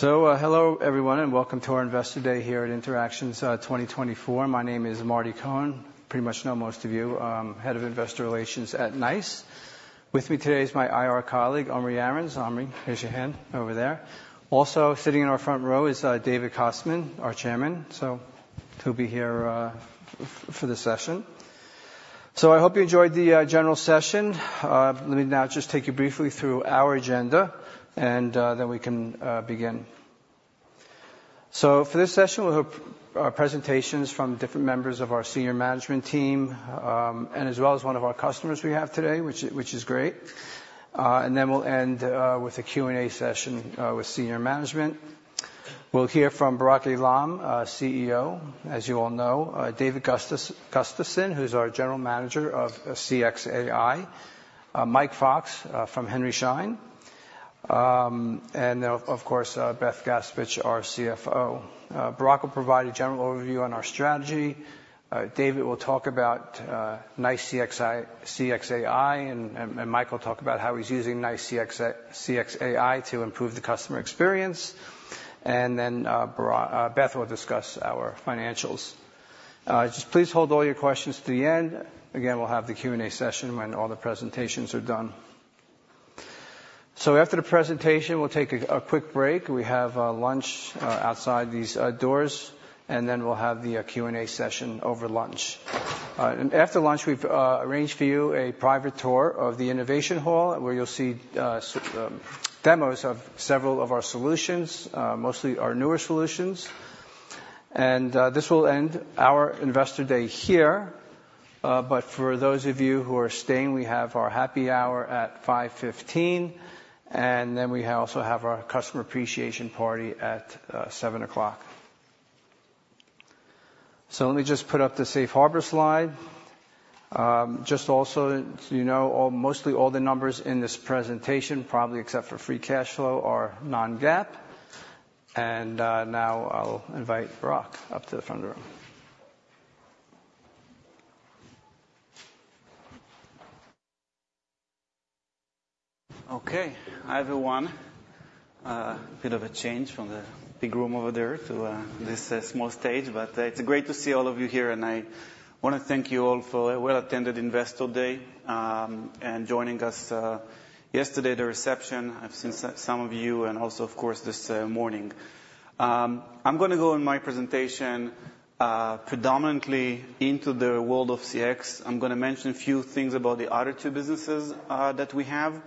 So, hello, everyone, and welcome to our Investor Day here at Interactions 2024. My name is Marty Cohen. Pretty much know most of you. I'm head of Investor Relations at NICE. With me today is my IR colleague, Omri Arens. Omri, raise your hand over there. Also, sitting in our front row is David Kostman, our chairman, so he'll be here for the session. So I hope you enjoyed the General Session. Let me now just take you briefly through our agenda, and then we can begin. So for this session, we'll have presentations from different members of our senior management team, and as well as one of our customers we have today, which is great. And then we'll end with a Q&A session with senior management. We'll hear from Barak Eilam, our CEO, as you all know, David Gustafson, who's our general manager of CX AI, Mike Fox from Henry Schein, and then, of course, Beth Gaspich, our CFO. Barak will provide a general overview on our strategy. David will talk about NICE CX AI, and Mike will talk about how he's using NICE CX AI to improve the customer experience. And then, Beth will discuss our financials. Just please hold all your questions to the end. Again, we'll have the Q&A session when all the presentations are done. So after the presentation, we'll take a quick break. We have lunch outside these doors, and then we'll have the Q&A session over lunch. And after lunch, we've arranged for you a private tour of the Innovation Hall, where you'll see demos of several of our solutions, mostly our newer solutions. And this will end our Investor Day here, but for those of you who are staying, we have our Happy Hour at 5:15 P.M., and then we also have our Customer Appreciation Party at 7:00 P.M. So let me just put up the Safe Harbor slide. Just also so you know, mostly all the numbers in this presentation, probably except for free cash flow, are non-GAAP. And now I'll invite Barak up to the front of the room. Okay. Hi, everyone. Bit of a change from the big room over there to this small stage, but it's great to see all of you here, and I wanna thank you all for a well-attended Investor Day, and joining us yesterday, the reception. I've seen some of you and also, of course, this morning. I'm gonna go in my presentation predominantly into the world of CX. I'm gonna mention a few things about the other two businesses that we have,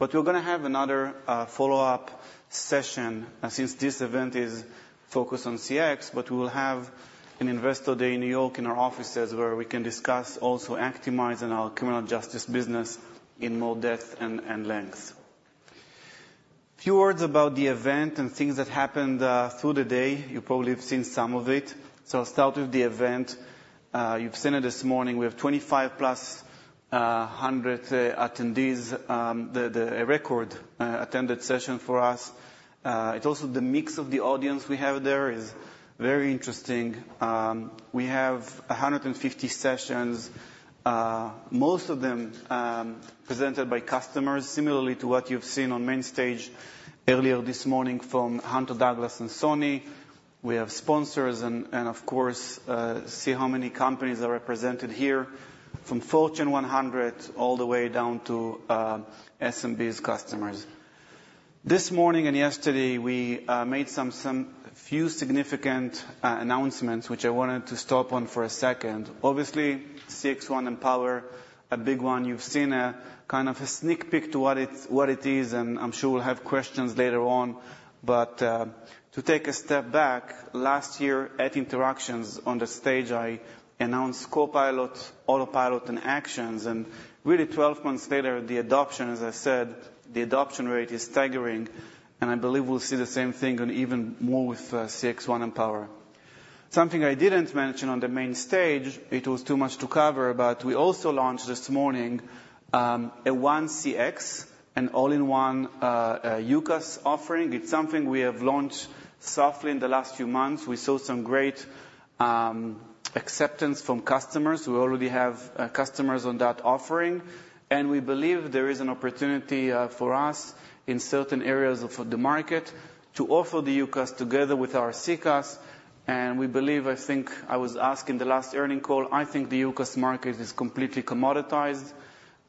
but we're gonna have another follow-up session since this event is focused on CX, but we will have an Investor Day in New York, in our offices, where we can discuss also Actimize and our criminal justice business in more depth and, and length. A few words about the event and things that happened through the day. You probably have seen some of it. So start with the event. You've seen it this morning. We have 2,500+ attendees, a record attended session for us. It's also the mix of the audience we have there is very interesting. We have 150 sessions, most of them presented by customers, similarly to what you've seen on main stage earlier this morning from Hunter Douglas and Sony. We have sponsors and of course see how many companies are represented here, from Fortune 100 all the way down to SMB's customers. This morning and yesterday, we made some few significant announcements, which I wanted to stop on for a second. Obviously, CXone Mpower, a big one. You've seen a kind of a sneak peek to what it, what it is, and I'm sure we'll have questions later on. But, to take a step back, last year at Interactions on the stage, I announced Copilot, Autopilot, and Actions, and really, 12 months later, the adoption, as I said, the adoption rate is staggering, and I believe we'll see the same thing and even more with, CXone Mpower. Something I didn't mention on the main stage, it was too much to cover, but we also launched this morning, a 1CX, an all-in-one, UCaaS offering. It's something we have launched softly in the last few months. We saw some great, acceptance from customers. We already have customers on that offering, and we believe there is an opportunity for us in certain areas of the market to offer the UCaaS together with our CCaaS. And we believe, I think I was asking the last earnings call, I think the UCaaS market is completely commoditized,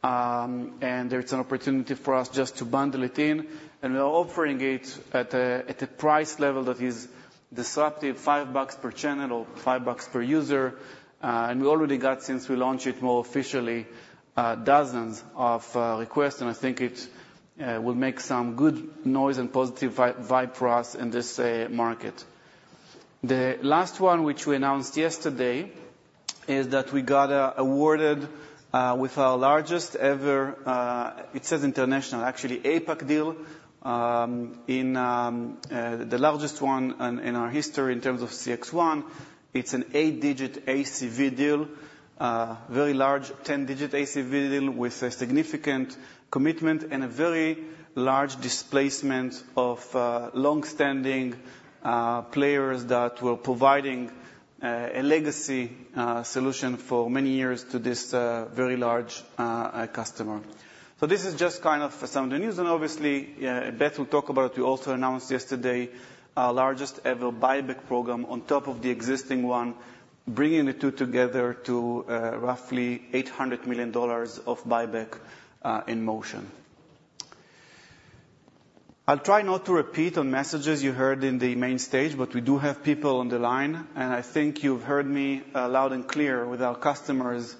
and there's an opportunity for us just to bundle it in. And we're offering it at a price level that is disruptive, $5 per channel or $5 per user. And we already got, since we launched it more officially, dozens of requests, and I think it will make some good noise and positive vibe for us in this market. The last one, which we announced yesterday, is that we got awarded with our largest ever... It says international, actually, APAC deal, in the largest one in our history in terms of CXone. It's an 8-digit ACV deal, very large 10-digit ACV deal with a significant commitment and a very large displacement of long-standing players that were providing a legacy solution for many years to this very large customer. So this is just kind of some of the news, and obviously, Beth will talk about, we also announced yesterday our largest ever buyback program on top of the existing one, bringing the two together to roughly $800 million of buyback in motion. I'll try not to repeat on messages you heard in the main stage, but we do have people on the line, and I think you've heard me loud and clear with our customers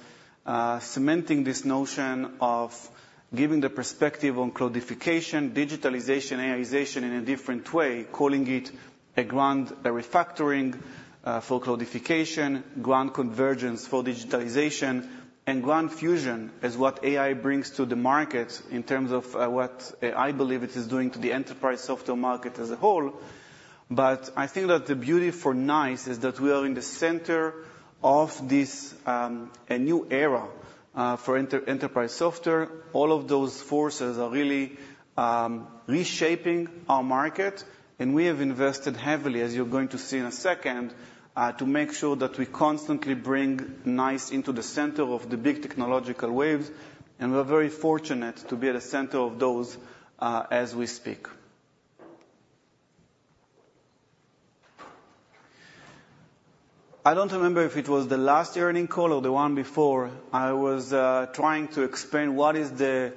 cementing this notion of giving the perspective on cloudification, digitalization, AIzation in a different way, calling it a grand refactoring for cloudification, grand convergence for digitalization, and grand fusion is what AI brings to the market in terms of what I believe it is doing to the enterprise software market as a whole. But I think that the beauty for NICE is that we are in the center of this a new era for enterprise software. All of those forces are really reshaping our market, and we have invested heavily, as you're going to see in a second, to make sure that we constantly bring NICE into the center of the big technological waves, and we're very fortunate to be at the center of those, as we speak. I don't remember if it was the last earnings call or the one before, I was trying to explain what is the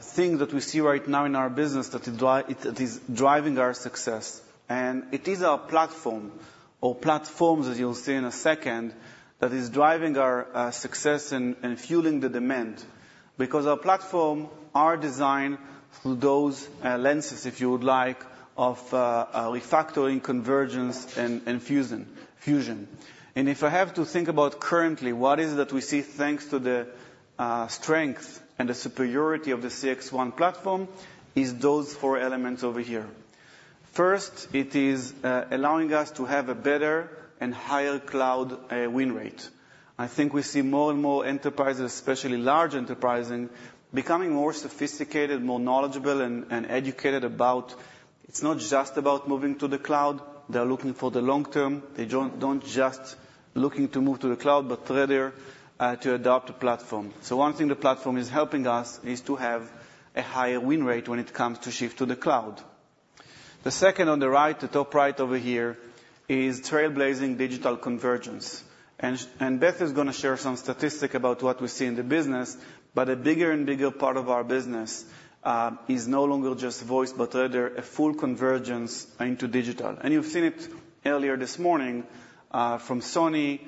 thing that we see right now in our business that it that is driving our success. It is our platform, or platforms, as you'll see in a second, that is driving our success and fueling the demand. Because our platform are designed through those lenses, if you would like, of a refactoring, convergence, and fusion. If I have to think about currently, what is it that we see thanks to the strength and the superiority of the CXone platform, is those four elements over here. First, it is allowing us to have a better and higher cloud win rate. I think we see more and more enterprises, especially large enterprises, becoming more sophisticated, more knowledgeable, and educated about it's not just about moving to the cloud, they're looking for the long term. They don't just looking to move to the cloud, but rather to adopt a platform. So one thing the platform is helping us is to have a higher win rate when it comes to shift to the cloud. The second on the right, the top right over here, is trailblazing digital convergence. And Beth is gonna share some statistic about what we see in the business, but a bigger and bigger part of our business is no longer just voice, but rather a full convergence into digital. And you've seen it earlier this morning from Sony,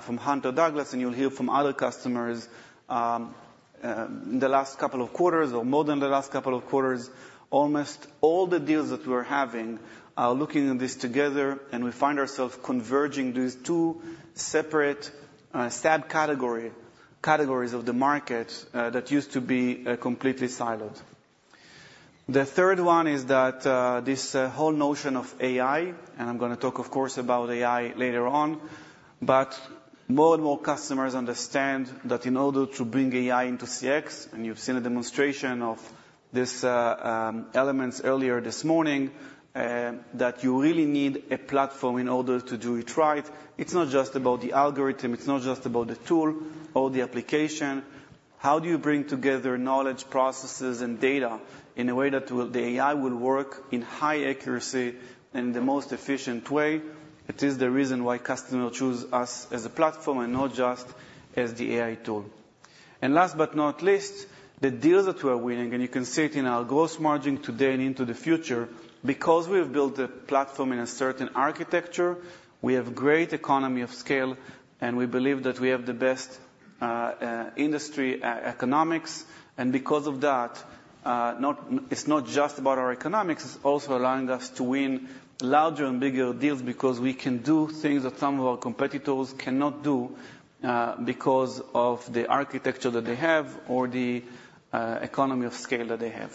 from Hunter Douglas, and you'll hear from other customers in the last couple of quarters or more than the last couple of quarters, almost all the deals that we're having are looking at this together, and we find ourselves converging these two separate categories of the market that used to be completely siloed. The third one is that this whole notion of AI, and I'm gonna talk, of course, about AI later on, but more and more customers understand that in order to bring AI into CX, and you've seen a demonstration of these elements earlier this morning, that you really need a platform in order to do it right. It's not just about the algorithm, it's not just about the tool or the application. How do you bring together knowledge, processes, and data in a way that will the AI work in high accuracy in the most efficient way? It is the reason why customers choose us as a platform and not just as the AI tool. And last but not least, the deals that we're winning, and you can see it in our gross margin today and into the future, because we have built a platform in a certain architecture, we have great economy of scale, and we believe that we have the best industry economics. And because of that, it's not just about our economics, it's also allowing us to win larger and bigger deals because we can do things that some of our competitors cannot do, because of the architecture that they have or the economy of scale that they have.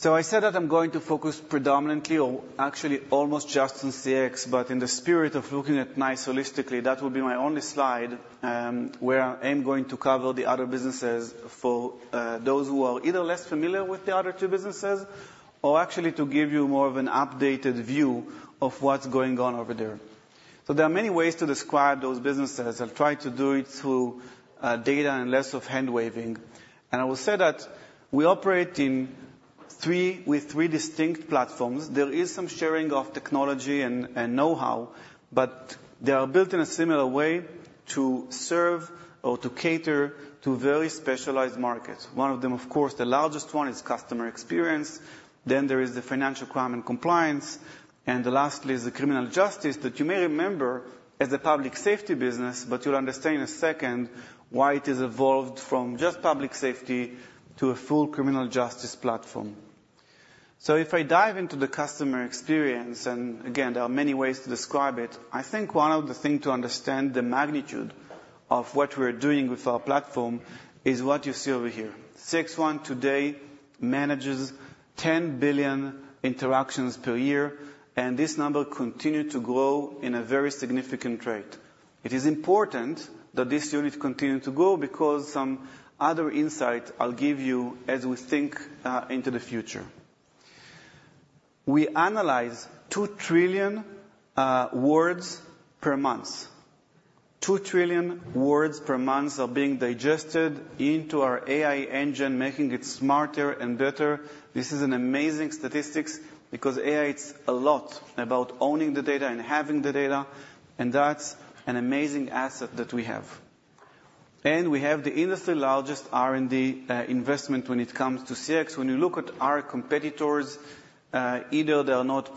So I said that I'm going to focus predominantly or actually almost just on CX, but in the spirit of looking at NICE holistically, that will be my only slide where I'm going to cover the other businesses for those who are either less familiar with the other two businesses, or actually to give you more of an updated view of what's going on over there. There are many ways to describe those businesses. I've tried to do it through data and less of hand-waving. I will say that we operate with three distinct platforms. There is some sharing of technology and know-how, but they are built in a similar way to serve or to cater to very specialized markets. One of them, of course, the largest one, is customer experience, then there is the financial crime and compliance, and lastly, is the criminal justice, that you may remember as a public safety business, but you'll understand in a second why it has evolved from just public safety to a full criminal justice platform. So if I dive into the customer experience, and again, there are many ways to describe it, I think one of the thing to understand the magnitude of what we're doing with our platform is what you see over here. CXone today manages 10 billion interactions per year, and this number continue to grow in a very significant rate. It is important that this unit continue to grow because some other insight I'll give you as we think into the future. We analyze 2 trillion words per month. 2 trillion words per month are being digested into our AI engine, making it smarter and better. This is an amazing statistics, because AI, it's a lot about owning the data and having the data, and that's an amazing asset that we have.... We have the industry largest R&D investment when it comes to CX. When you look at our competitors, either they are not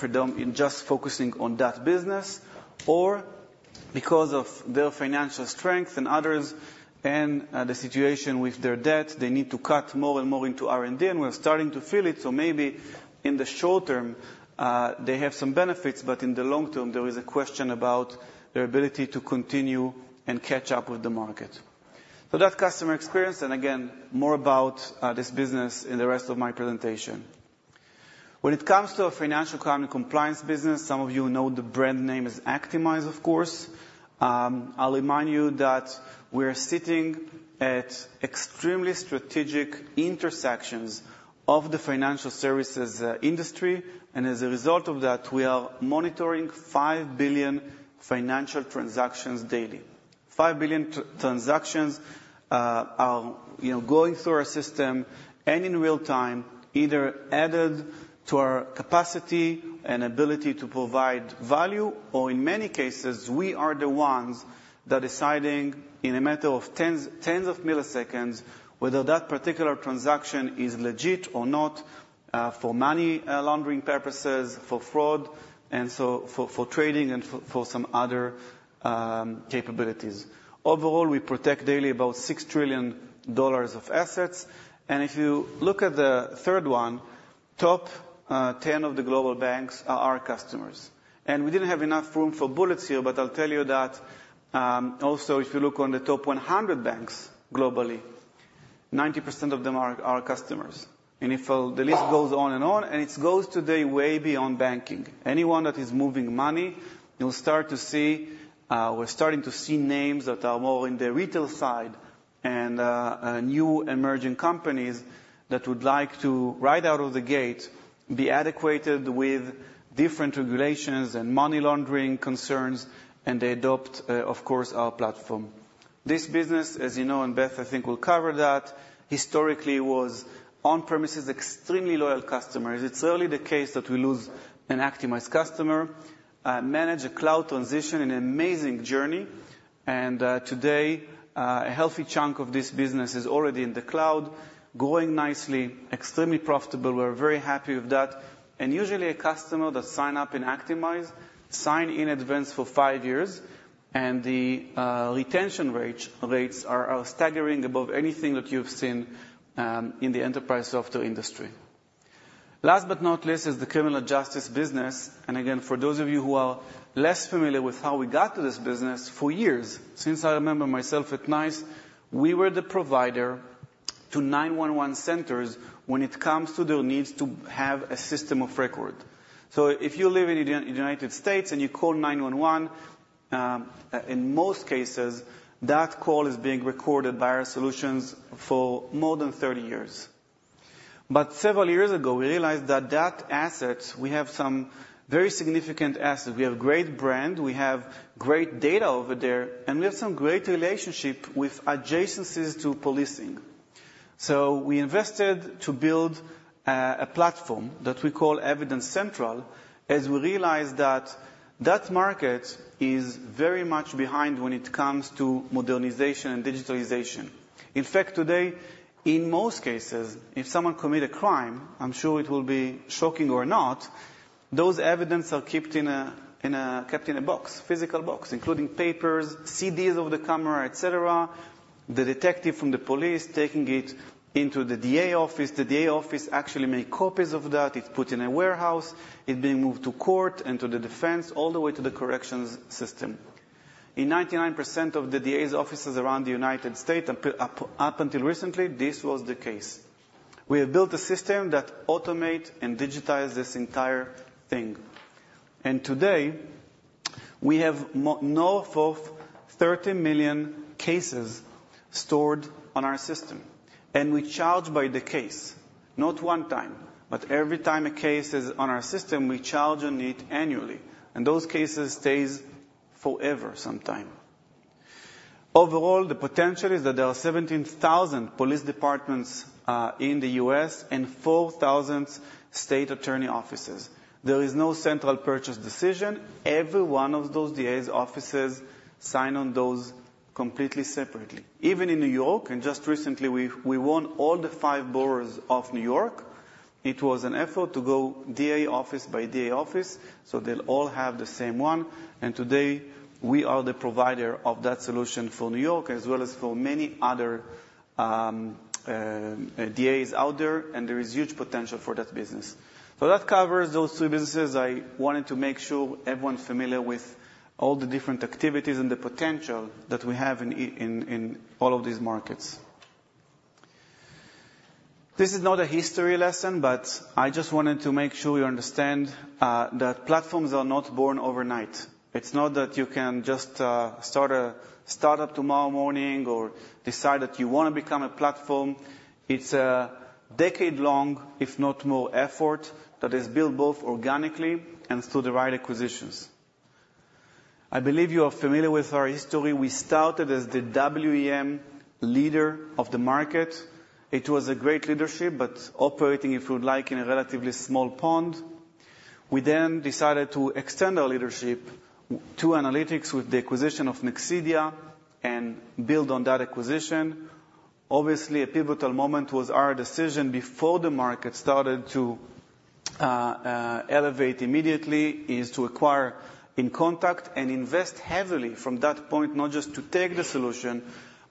just focusing on that business, or because of their financial strength and others, and, the situation with their debt, they need to cut more and more into R&D, and we're starting to feel it. So maybe in the short term, they have some benefits, but in the long term, there is a question about their ability to continue and catch up with the market. So that's customer experience, and again, more about, this business in the rest of my presentation. When it comes to our financial crime and compliance business, some of you know the brand name is Actimize, of course. I'll remind you that we're sitting at extremely strategic intersections of the financial services, industry, and as a result of that, we are monitoring 5 billion financial transactions daily. 5 billion transactions, you know, are going through our system and in real time, either added to our capacity and ability to provide value, or in many cases, we are the ones that are deciding in a matter of tens, tens of milliseconds, whether that particular transaction is legit or not, for money laundering purposes, for fraud, and so for, for trading and for, for some other, capabilities. Overall, we protect daily about $6 trillion of assets. If you look at the third one, top 10 of the global banks are our customers. We didn't have enough room for bullets here, but I'll tell you that, also, if you look on the top 100 banks globally, 90% of them are our customers. The list goes on and on, and it goes today way beyond banking. Anyone that is moving money, you'll start to see, we're starting to see names that are more in the retail side and, new emerging companies that would like to, right out of the gate, be acquainted with different regulations and money laundering concerns, and they adopt, of course, our platform. This business, as you know, and Beth, I think, will cover that, historically was on-premises, extremely loyal customers. It's rarely the case that we lose an Actimize customer, manage a cloud transition, an amazing journey, and, today, a healthy chunk of this business is already in the cloud, growing nicely, extremely profitable. We're very happy with that. Usually a customer that sign up in Actimize sign in advance for five years, and the retention rate, rates are staggering above anything that you've seen in the enterprise software industry. Last but not least, is the criminal justice business. Again, for those of you who are less familiar with how we got to this business, for years, since I remember myself at NICE, we were the provider to 911 centers when it comes to their needs to have a system of record. So if you live in the United States, and you call nine one one, in most cases, that call is being recorded by our solutions for more than 30 years. But several years ago, we realized that that asset, we have some very significant assets. We have great brand, we have great data over there, and we have some great relationship with adjacencies to policing. So we invested to build a platform that we call Evidence Central, as we realized that that market is very much behind when it comes to modernization and digitalization. In fact, today, in most cases, if someone commit a crime, I'm sure it will be shocking or not, those evidence are kept in a box, physical box, including papers, CDs of the camera, et cetera. The detective from the police taking it into the DA office. The DA office actually makes copies of that. It's put in a warehouse. It being moved to court and to the defense, all the way to the corrections system. In 99% of the DA's offices around the United States, until recently, this was the case. We have built a system that automates and digitizes this entire thing. Today, we have north of 30 million cases stored on our system, and we charge by the case, not one time, but every time a case is on our system, we charge on it annually, and those cases stay forever, sometime. Overall, the potential is that there are 17,000 police departments in the U.S. and 4,000 state attorney offices. There is no central purchase decision. Every one of those DA's offices signs on those completely separately. Even in New York, and just recently, we won all the five boroughs of New York. It was an effort to go DA office by DA office, so they'll all have the same one. And today, we are the provider of that solution for New York, as well as for many other DAs out there, and there is huge potential for that business. So that covers those three businesses. I wanted to make sure everyone familiar with all the different activities and the potential that we have in all of these markets. This is not a history lesson, but I just wanted to make sure you understand that platforms are not born overnight. It's not that you can just start up tomorrow morning or decide that you want to become a platform. It's a decade-long, if not more, effort that is built both organically and through the right acquisitions. I believe you are familiar with our history. We started as the WEM leader of the market.... It was a great leadership, but operating, if you like, in a relatively small pond. We then decided to extend our leadership to analytics with the acquisition of Nexidia, and build on that acquisition. Obviously, a pivotal moment was our decision before the market started to elevate immediately, is to acquire inContact and invest heavily from that point, not just to take the solution,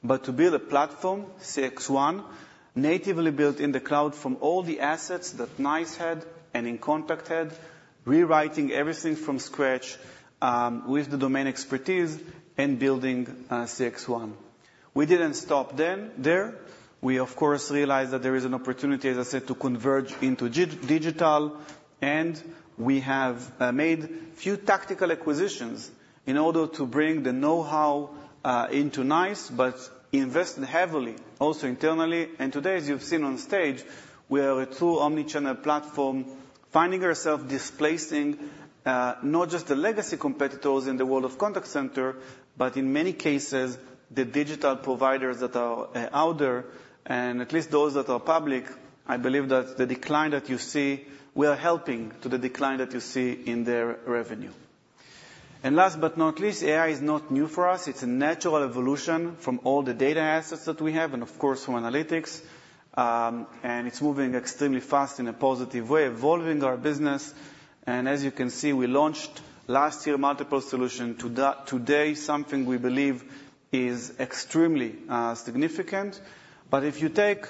but to build a platform, CXone, natively built in the cloud from all the assets that NICE had and inContact had, rewriting everything from scratch, with the domain expertise and building CXone. We didn't stop them there. We, of course, realized that there is an opportunity, as I said, to converge into digital, and we have made a few tactical acquisitions in order to bring the know-how into NICE, but invest heavily, also internally. And today, as you've seen on stage, we are a true omni-channel platform, finding ourselves displacing not just the legacy competitors in the world of contact center, but in many cases, the digital providers that are out there, and at least those that are public, I believe that the decline that you see—we are helping to the decline that you see in their revenue. And last but not least, AI is not new for us. It's a natural evolution from all the data assets that we have, and of course, from analytics. And it's moving extremely fast in a positive way, evolving our business. As you can see, we launched last year multiple solutions. Today, something we believe is extremely significant. But if you take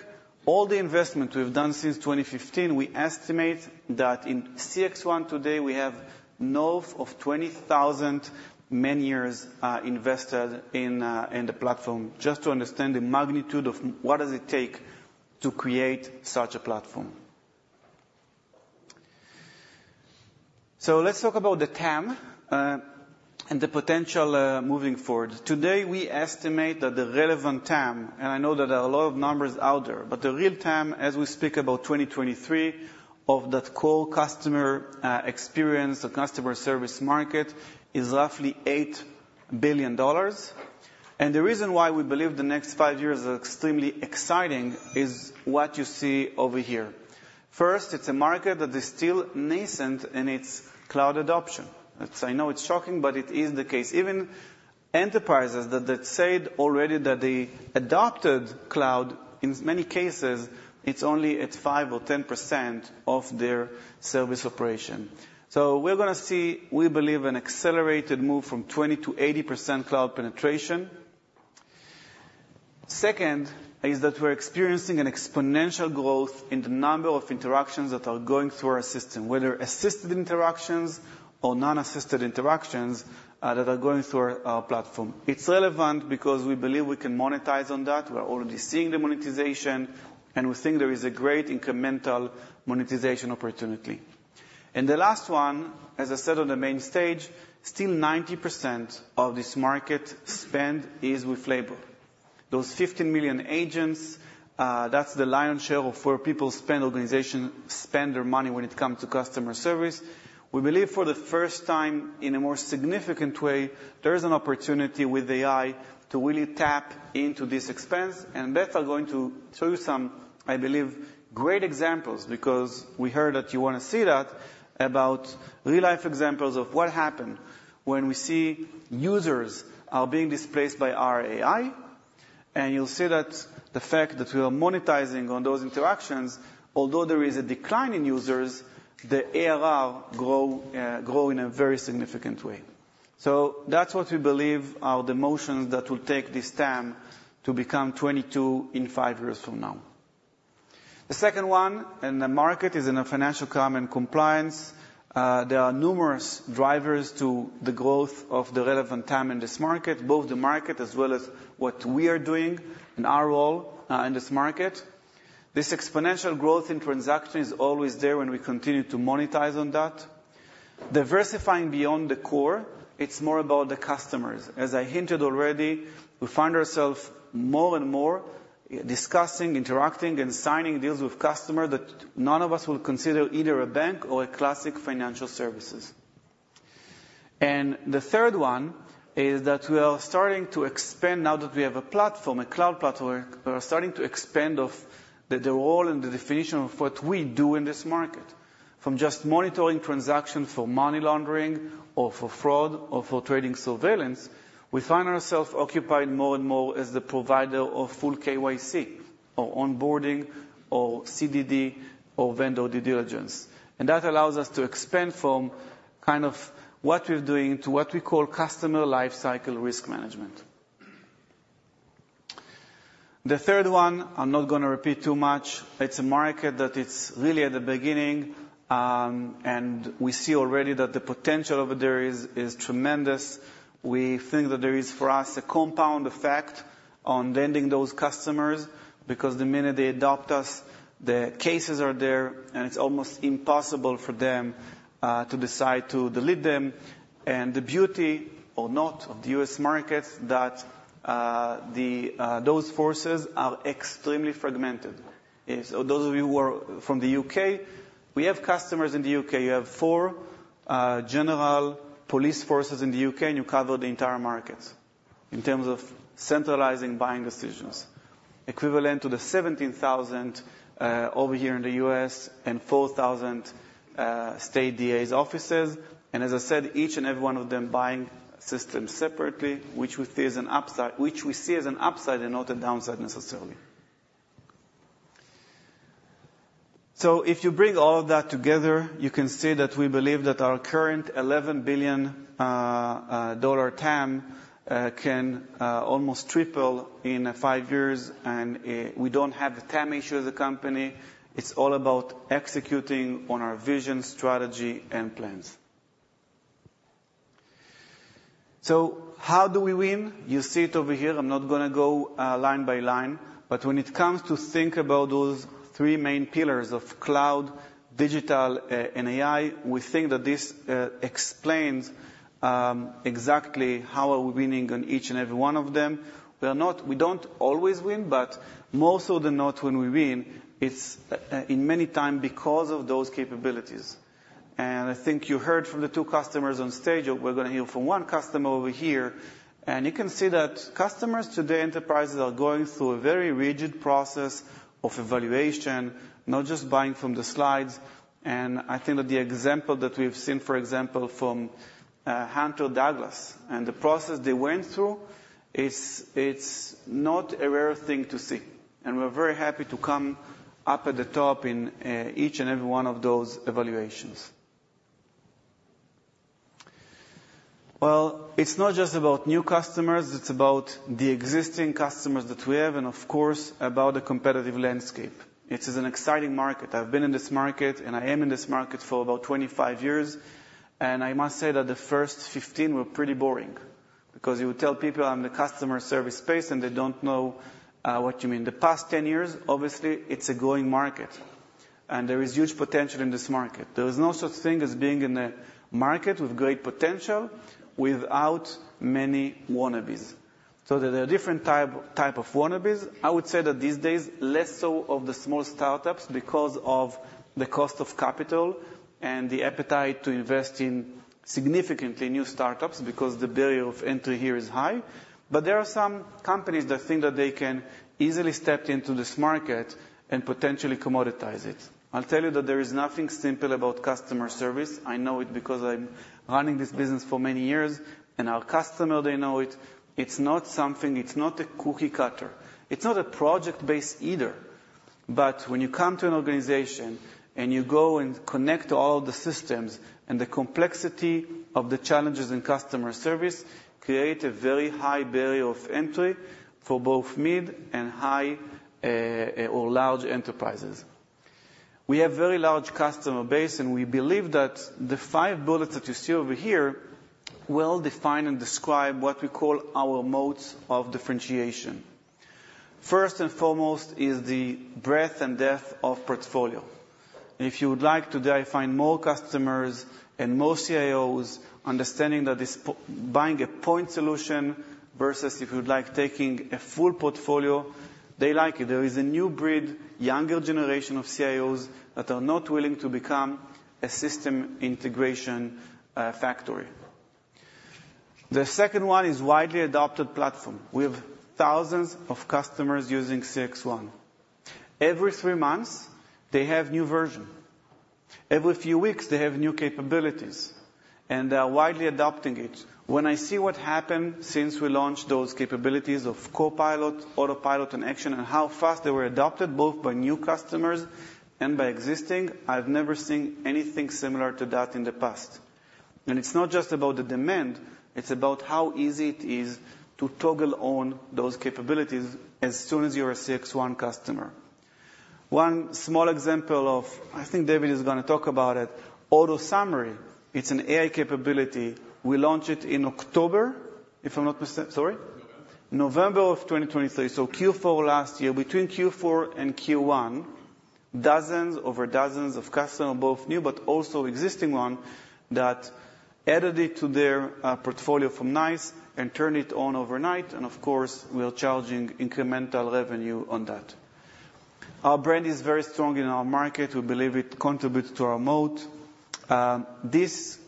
all the investment we've done since 2015, we estimate that in CXone today, we have north of 20,000 man years invested in the platform, just to understand the magnitude of what it takes to create such a platform. So let's talk about the TAM and the potential moving forward. Today, we estimate that the relevant TAM, and I know that there are a lot of numbers out there, but the real TAM as we speak about 2023 of that core customer experience, the customer service market, is roughly $8 billion. And the reason why we believe the next five years are extremely exciting is what you see over here. First, it's a market that is still nascent in its cloud adoption. I know it's shocking, but it is the case. Even enterprises that have said already that they adopted cloud, in many cases, it's only at 5% or 10% of their service operation. So we're gonna see, we believe, an accelerated move from 20%-80% cloud penetration. Second is that we're experiencing an exponential growth in the number of interactions that are going through our system, whether assisted interactions or non-assisted interactions, that are going through our platform. It's relevant because we believe we can monetize on that. We're already seeing the monetization, and we think there is a great incremental monetization opportunity. And the last one, as I said on the main stage, still 90% of this market spend is with labor. Those 15 million agents, that's the lion's share of where people spend, organizations spend their money when it comes to customer service. We believe for the first time, in a more significant way, there is an opportunity with AI to really tap into this expense, and Beth are going to show you some, I believe, great examples, because we heard that you wanna see that, about real-life examples of what happened when we see users are being displaced by our AI. And you'll see that the fact that we are monetizing on those interactions, although there is a decline in users, the ARR grow, grow in a very significant way. So that's what we believe are the motions that will take this TAM to become 22 in five years from now. The second one, and the market is in a financial crime and compliance. There are numerous drivers to the growth of the relevant TAM in this market, both the market as well as what we are doing and our role in this market. This exponential growth in transaction is always there when we continue to monetize on that. Diversifying beyond the core, it's more about the customers. As I hinted already, we find ourselves more and more discussing, interacting, and signing deals with customers that none of us will consider either a bank or a classic financial services. And the third one is that we are starting to expand now that we have a platform, a cloud platform, we are starting to expand of the, the role and the definition of what we do in this market. From just monitoring transactions for money laundering or for fraud or for trading surveillance, we find ourselves occupied more and more as the provider of full KYC or onboarding or CDD or vendor due diligence. That allows us to expand from kind of what we're doing to what we call Customer Lifecycle Risk Management. The third one, I'm not gonna repeat too much. It's a market that it's really at the beginning, and we see already that the potential over there is tremendous. We think that there is, for us, a compound effect on lending those customers, because the minute they adopt us, the cases are there, and it's almost impossible for them to decide to delete them. And the beauty or not of the U.S. market, that the those forces are extremely fragmented. Yes, so those of you who are from the U.K., we have customers in the U.K. You have four general police forces in the U.K., and you cover the entire markets in terms of centralizing buying decisions. Equivalent to the 17,000 over here in the U.S. and 4,000 state D.A.s' offices, and as I said, each and every one of them buying systems separately, which we see as an upside, which we see as an upside and not a downside necessarily. So if you bring all of that together, you can see that we believe that our current $11 billion TAM can almost triple in 5 years, and we don't have the TAM issue as a company. It's all about executing on our vision, strategy, and plans. So how do we win? You see it over here. I'm not gonna go line by line, but when it comes to think about those three main pillars of cloud, digital, and AI, we think that this explains exactly how are we winning on each and every one of them. We are not-- We don't always win, but most of the not when we win, it's in many time because of those capabilities. And I think you heard from the two customers on stage, we're gonna hear from one customer over here. And you can see that customers today, enterprises, are going through a very rigid process of evaluation, not just buying from the slides. And I think that the example that we've seen, for example, from Hunter Douglas, and the process they went through, is it's not a rare thing to see. We're very happy to come up at the top in each and every one of those evaluations. Well, it's not just about new customers, it's about the existing customers that we have, and of course, about the competitive landscape. It is an exciting market. I've been in this market, and I am in this market for about 25 years, and I must say that the first 15 were pretty boring because you would tell people I'm in the customer service space, and they don't know what you mean. The past 10 years, obviously, it's a growing market, and there is huge potential in this market. There is no such thing as being in a market with great potential without many wannabes. So there are different type, type of wannabes. I would say that these days, less so of the small startups because of the cost of capital and the appetite to invest in significantly new startups, because the barrier of entry here is high. But there are some companies that think that they can easily step into this market and potentially commoditize it. I'll tell you that there is nothing simple about customer service. I know it because I'm running this business for many years, and our customer, they know it. It's not something, it's not a cookie-cutter. It's not a project-based either. But when you come to an organization and you go and connect all the systems and the complexity of the challenges in customer service, create a very high barrier of entry for both mid and high, or large enterprises. We have very large customer base, and we believe that the five bullets that you see over here well define and describe what we call our moats of differentiation. First and foremost is the breadth and depth of portfolio. If you would like, today, I find more customers and more CIOs understanding that buying a point solution versus, if you would like, taking a full portfolio. They like it. There is a new breed, younger generation of CIOs, that are not willing to become a system integration factory. The second one is widely adopted platform. We have thousands of customers using CXone. Every three months, they have new version. Every few weeks, they have new capabilities, and they are widely adopting it. When I see what happened since we launched those capabilities of Copilot, Autopilot, and Actions, and how fast they were adopted, both by new customers and by existing, I've never seen anything similar to that in the past. And it's not just about the demand, it's about how easy it is to toggle on those capabilities as soon as you're a CXone customer. One small example of... I think David is gonna talk about it, AutoSummary. It's an AI capability. We launched it in October, if I'm not mistaken. Sorry? November. November of 2023, so Q4 last year. Between Q4 and Q1, dozens over dozens of customer, both new but also existing one, that added it to their portfolio from NICE and turned it on overnight, and of course, we are charging incremental revenue on that. Our brand is very strong in our market. We believe it contributes to our moat. This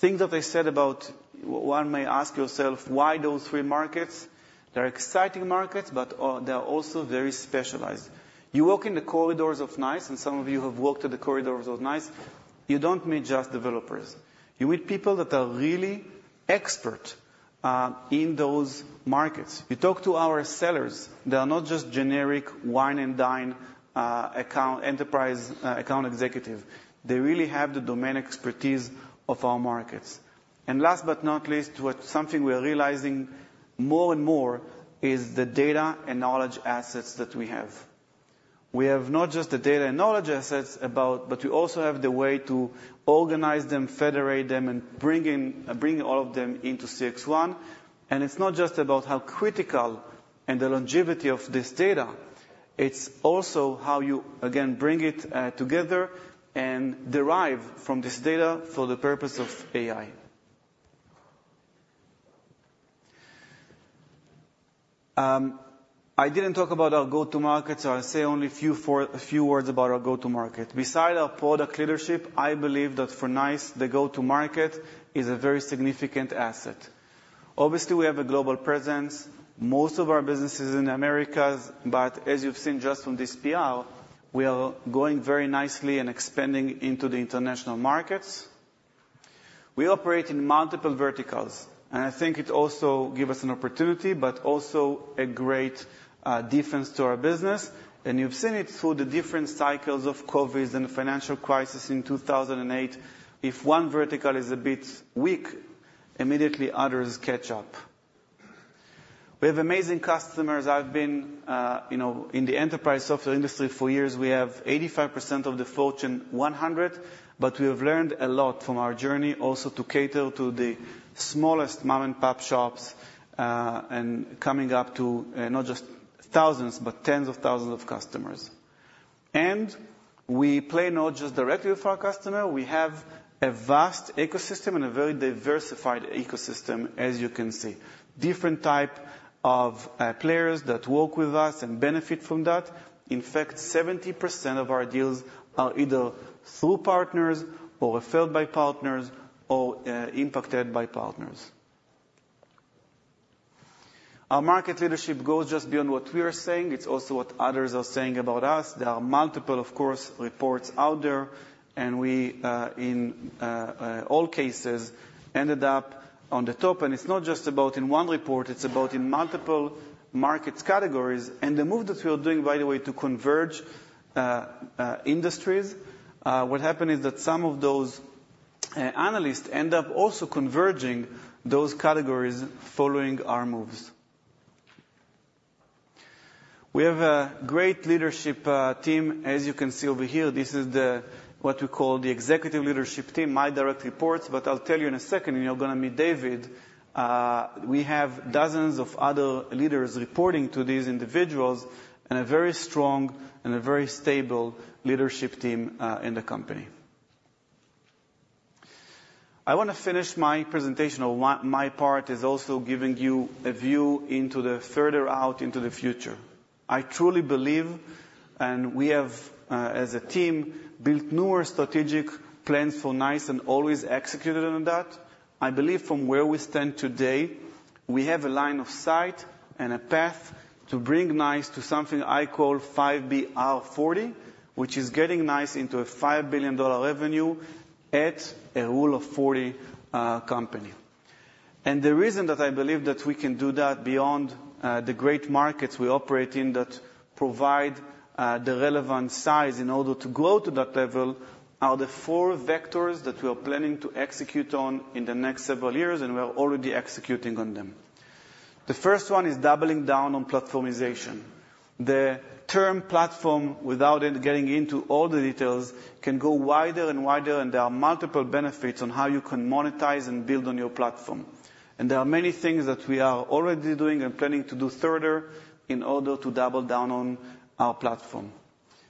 thing that I said about one may ask yourself, why those three markets? They're exciting markets, but they are also very specialized. You walk in the corridors of NICE, and some of you have walked in the corridors of NICE, you don't meet just developers. You meet people that are really expert in those markets. You talk to our sellers, they are not just generic wine-and-dine enterprise account executive. They really have the domain expertise of our markets. Last but not least, what something we are realizing more and more is the data and knowledge assets that we have. We have not just the data and knowledge assets about, but we also have the way to organize them, federate them, and bring all of them into CXone. It's not just about how critical and the longevity of this data, it's also how you, again, bring it together and derive from this data for the purpose of AI. I didn't talk about our go-to-market, so I'll say only a few words about our go-to-market. Besides our product leadership, I believe that for NICE, the go-to-market is a very significant asset. Obviously, we have a global presence. Most of our business is in Americas, but as you've seen just from this PR, we are going very nicely and expanding into the international markets. We operate in multiple verticals, and I think it also give us an opportunity, but also a great defense to our business. And you've seen it through the different cycles of COVID and the financial crisis in 2008. If one vertical is a bit weak, immediately others catch up. We have amazing customers. I've been, you know, in the enterprise software industry for years. We have 85% of the Fortune 100, but we have learned a lot from our journey, also to cater to the smallest mom-and-pop shops, and coming up to not just thousands, but tens of thousands of customers. And we play not just directly with our customer, we have a vast ecosystem and a very diversified ecosystem, as you can see. Different type of players that work with us and benefit from that. In fact, 70% of our deals are either through partners or referred by partners or impacted by partners. Our market leadership goes just beyond what we are saying, it's also what others are saying about us. There are multiple, of course, reports out there, and we in all cases ended up on the top. And it's not just about in one report, it's about in multiple markets categories. And the move that we are doing, by the way, to converge industries, what happened is that some of those analysts end up also converging those categories following our moves. We have a great leadership team. As you can see over here, this is the... what we call the executive leadership team, my direct reports, but I'll tell you in a second, and you're gonna meet David. We have dozens of other leaders reporting to these individuals, and a very strong and a very stable leadership team in the company. I want to finish my presentation, my part, is also giving you a view into the further out into the future. I truly believe, and we have, as a team, built newer strategic plans for NICE and always executed on that. I believe from where we stand today, we have a line of sight and a path to bring NICE to something I call 5B R40, which is getting NICE into a $5 billion revenue at a rule of 40 company. The reason that I believe that we can do that, beyond, the great markets we operate in that provide, the relevant size in order to grow to that level, are the four vectors that we are planning to execute on in the next several years, and we are already executing on them. The first one is doubling down on platformization. The term platform, without it getting into all the details, can go wider and wider, and there are multiple benefits on how you can monetize and build on your platform. There are many things that we are already doing and planning to do further in order to double down on our platform.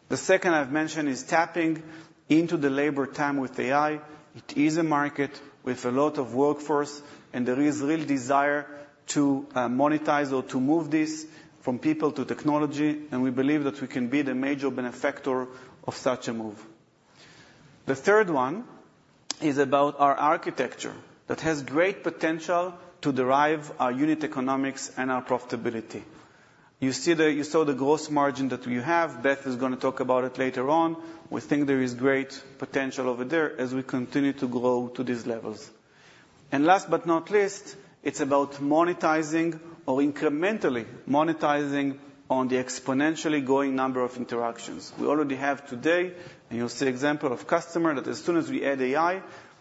The second I've mentioned is tapping into the labor time with AI. It is a market with a lot of workforce, and there is real desire to monetize or to move this from people to technology, and we believe that we can be the major benefactor of such a move. The third one is about our architecture, that has great potential to derive our unit economics and our profitability. You saw the gross margin that we have. Beth is going to talk about it later on. We think there is great potential over there as we continue to grow to these levels. And last but not least, it's about monetizing or incrementally monetizing on the exponentially growing number of interactions. We already have today, and you'll see example of customer, that as soon as we add AI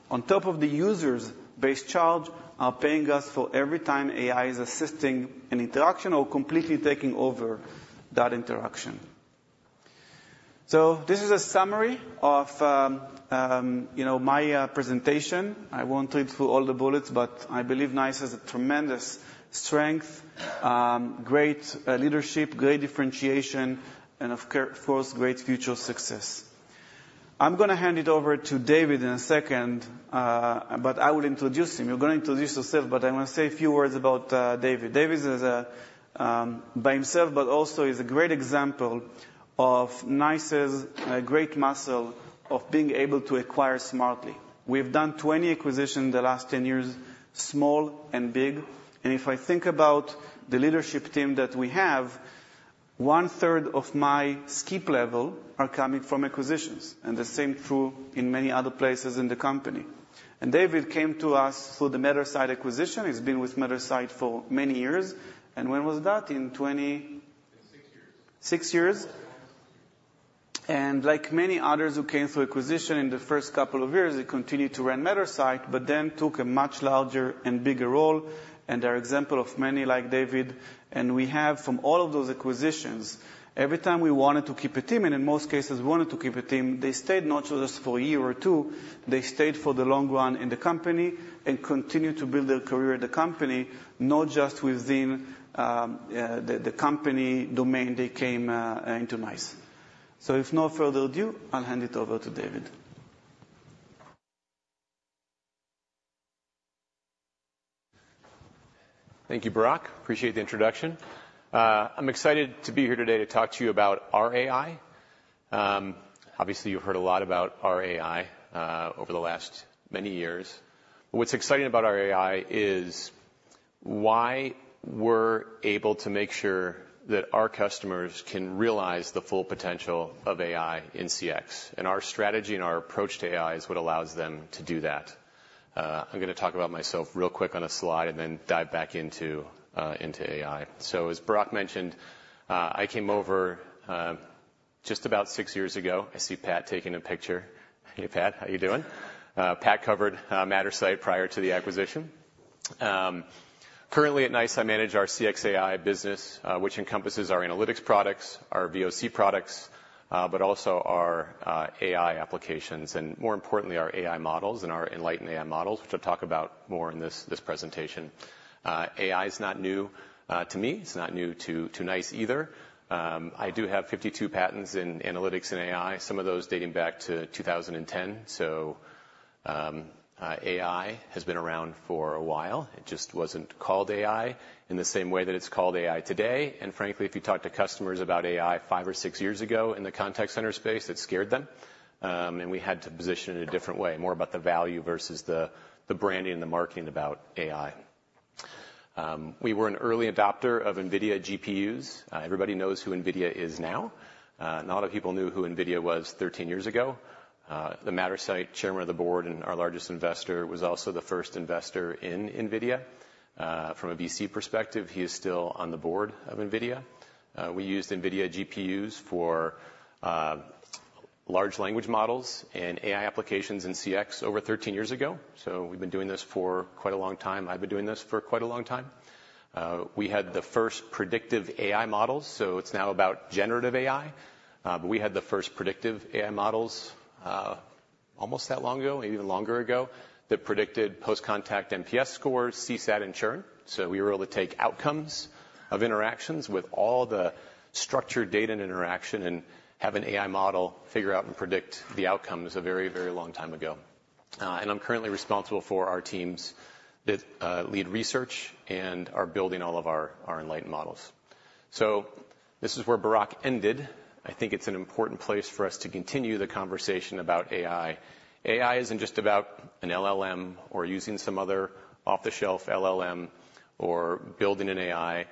on top of the users-based charge, are paying us for every time AI is assisting an interaction or completely taking over that interaction. So this is a summary of, you know, my presentation. I won't read through all the bullets, but I believe NICE has a tremendous strength, great leadership, great differentiation, and of course, great future success. I'm going to hand it over to David in a second, but I will introduce him. You're going to introduce yourself, but I want to say a few words about, David. David is a, by himself, but also is a great example of NICE's, great muscle of being able to acquire smartly. We've done 20 acquisitions in the last 10 years, small and big. If I think about the leadership team that we have, one-third of my skip level are coming from acquisitions, and the same true in many other places in the company. David came to us through the Mattersight acquisition. He's been with Mattersight for many years. And when was that? In 26 years. Six years. Like many others who came through acquisition, in the first couple of years, he continued to run Mattersight, but then took a much larger and bigger role, and an example of many like David. We have, from all of those acquisitions, every time we wanted to keep a team, and in most cases, we wanted to keep a team, they stayed not just for a year or two, they stayed for the long run in the company and continued to build their career at the company, not just within the company domain they came into NICE. So if no further ado, I'll hand it over to David.... Thank you, Barak. Appreciate the introduction. I'm excited to be here today to talk to you about our AI. Obviously, you've heard a lot about our AI over the last many years. What's exciting about our AI is why we're able to make sure that our customers can realize the full potential of AI in CX, and our strategy and our approach to AI is what allows them to do that. I'm gonna talk about myself real quick on a slide and then dive back into AI. So as Barak mentioned, I came over just about six years ago. I see Pat taking a picture. Hey, Pat, how you doing? Pat covered Mattersight prior to the acquisition. Currently at NICE, I manage our CX AI business, which encompasses our analytics products, our VOC products, but also our AI applications, and more importantly, our AI models and our Enlighten AI models, which I'll talk about more in this presentation. AI is not new to me. It's not new to NICE either. I do have 52 patents in analytics and AI, some of those dating back to 2010. So, AI has been around for a while. It just wasn't called AI in the same way that it's called AI today, and frankly, if you talk to customers about AI five or six years ago in the contact center space, it scared them. And we had to position it a different way, more about the value versus the branding and the marketing about AI. We were an early adopter of NVIDIA GPUs. Everybody knows who NVIDIA is now. Not a lot of people knew who NVIDIA was 13 years ago. The Mattersight chairman of the board and our largest investor was also the first investor in NVIDIA. From a VC perspective, he is still on the board of NVIDIA. We used NVIDIA GPUs for large language models and AI applications in CX over 13 years ago. So we've been doing this for quite a long time. I've been doing this for quite a long time. We had the first predictive AI models, so it's now about generative AI. But we had the first predictive AI models almost that long ago, maybe even longer ago, that predicted post-contact NPS scores, CSAT, and churn. So we were able to take outcomes of interactions with all the structured data and interaction and have an AI model figure out and predict the outcomes a very, very long time ago. And I'm currently responsible for our teams that lead research and are building all of our Enlighten models. This is where Barak ended. I think it's an important place for us to continue the conversation about AI. AI isn't just about an LLM or using some other off-the-shelf LLM or building an AI.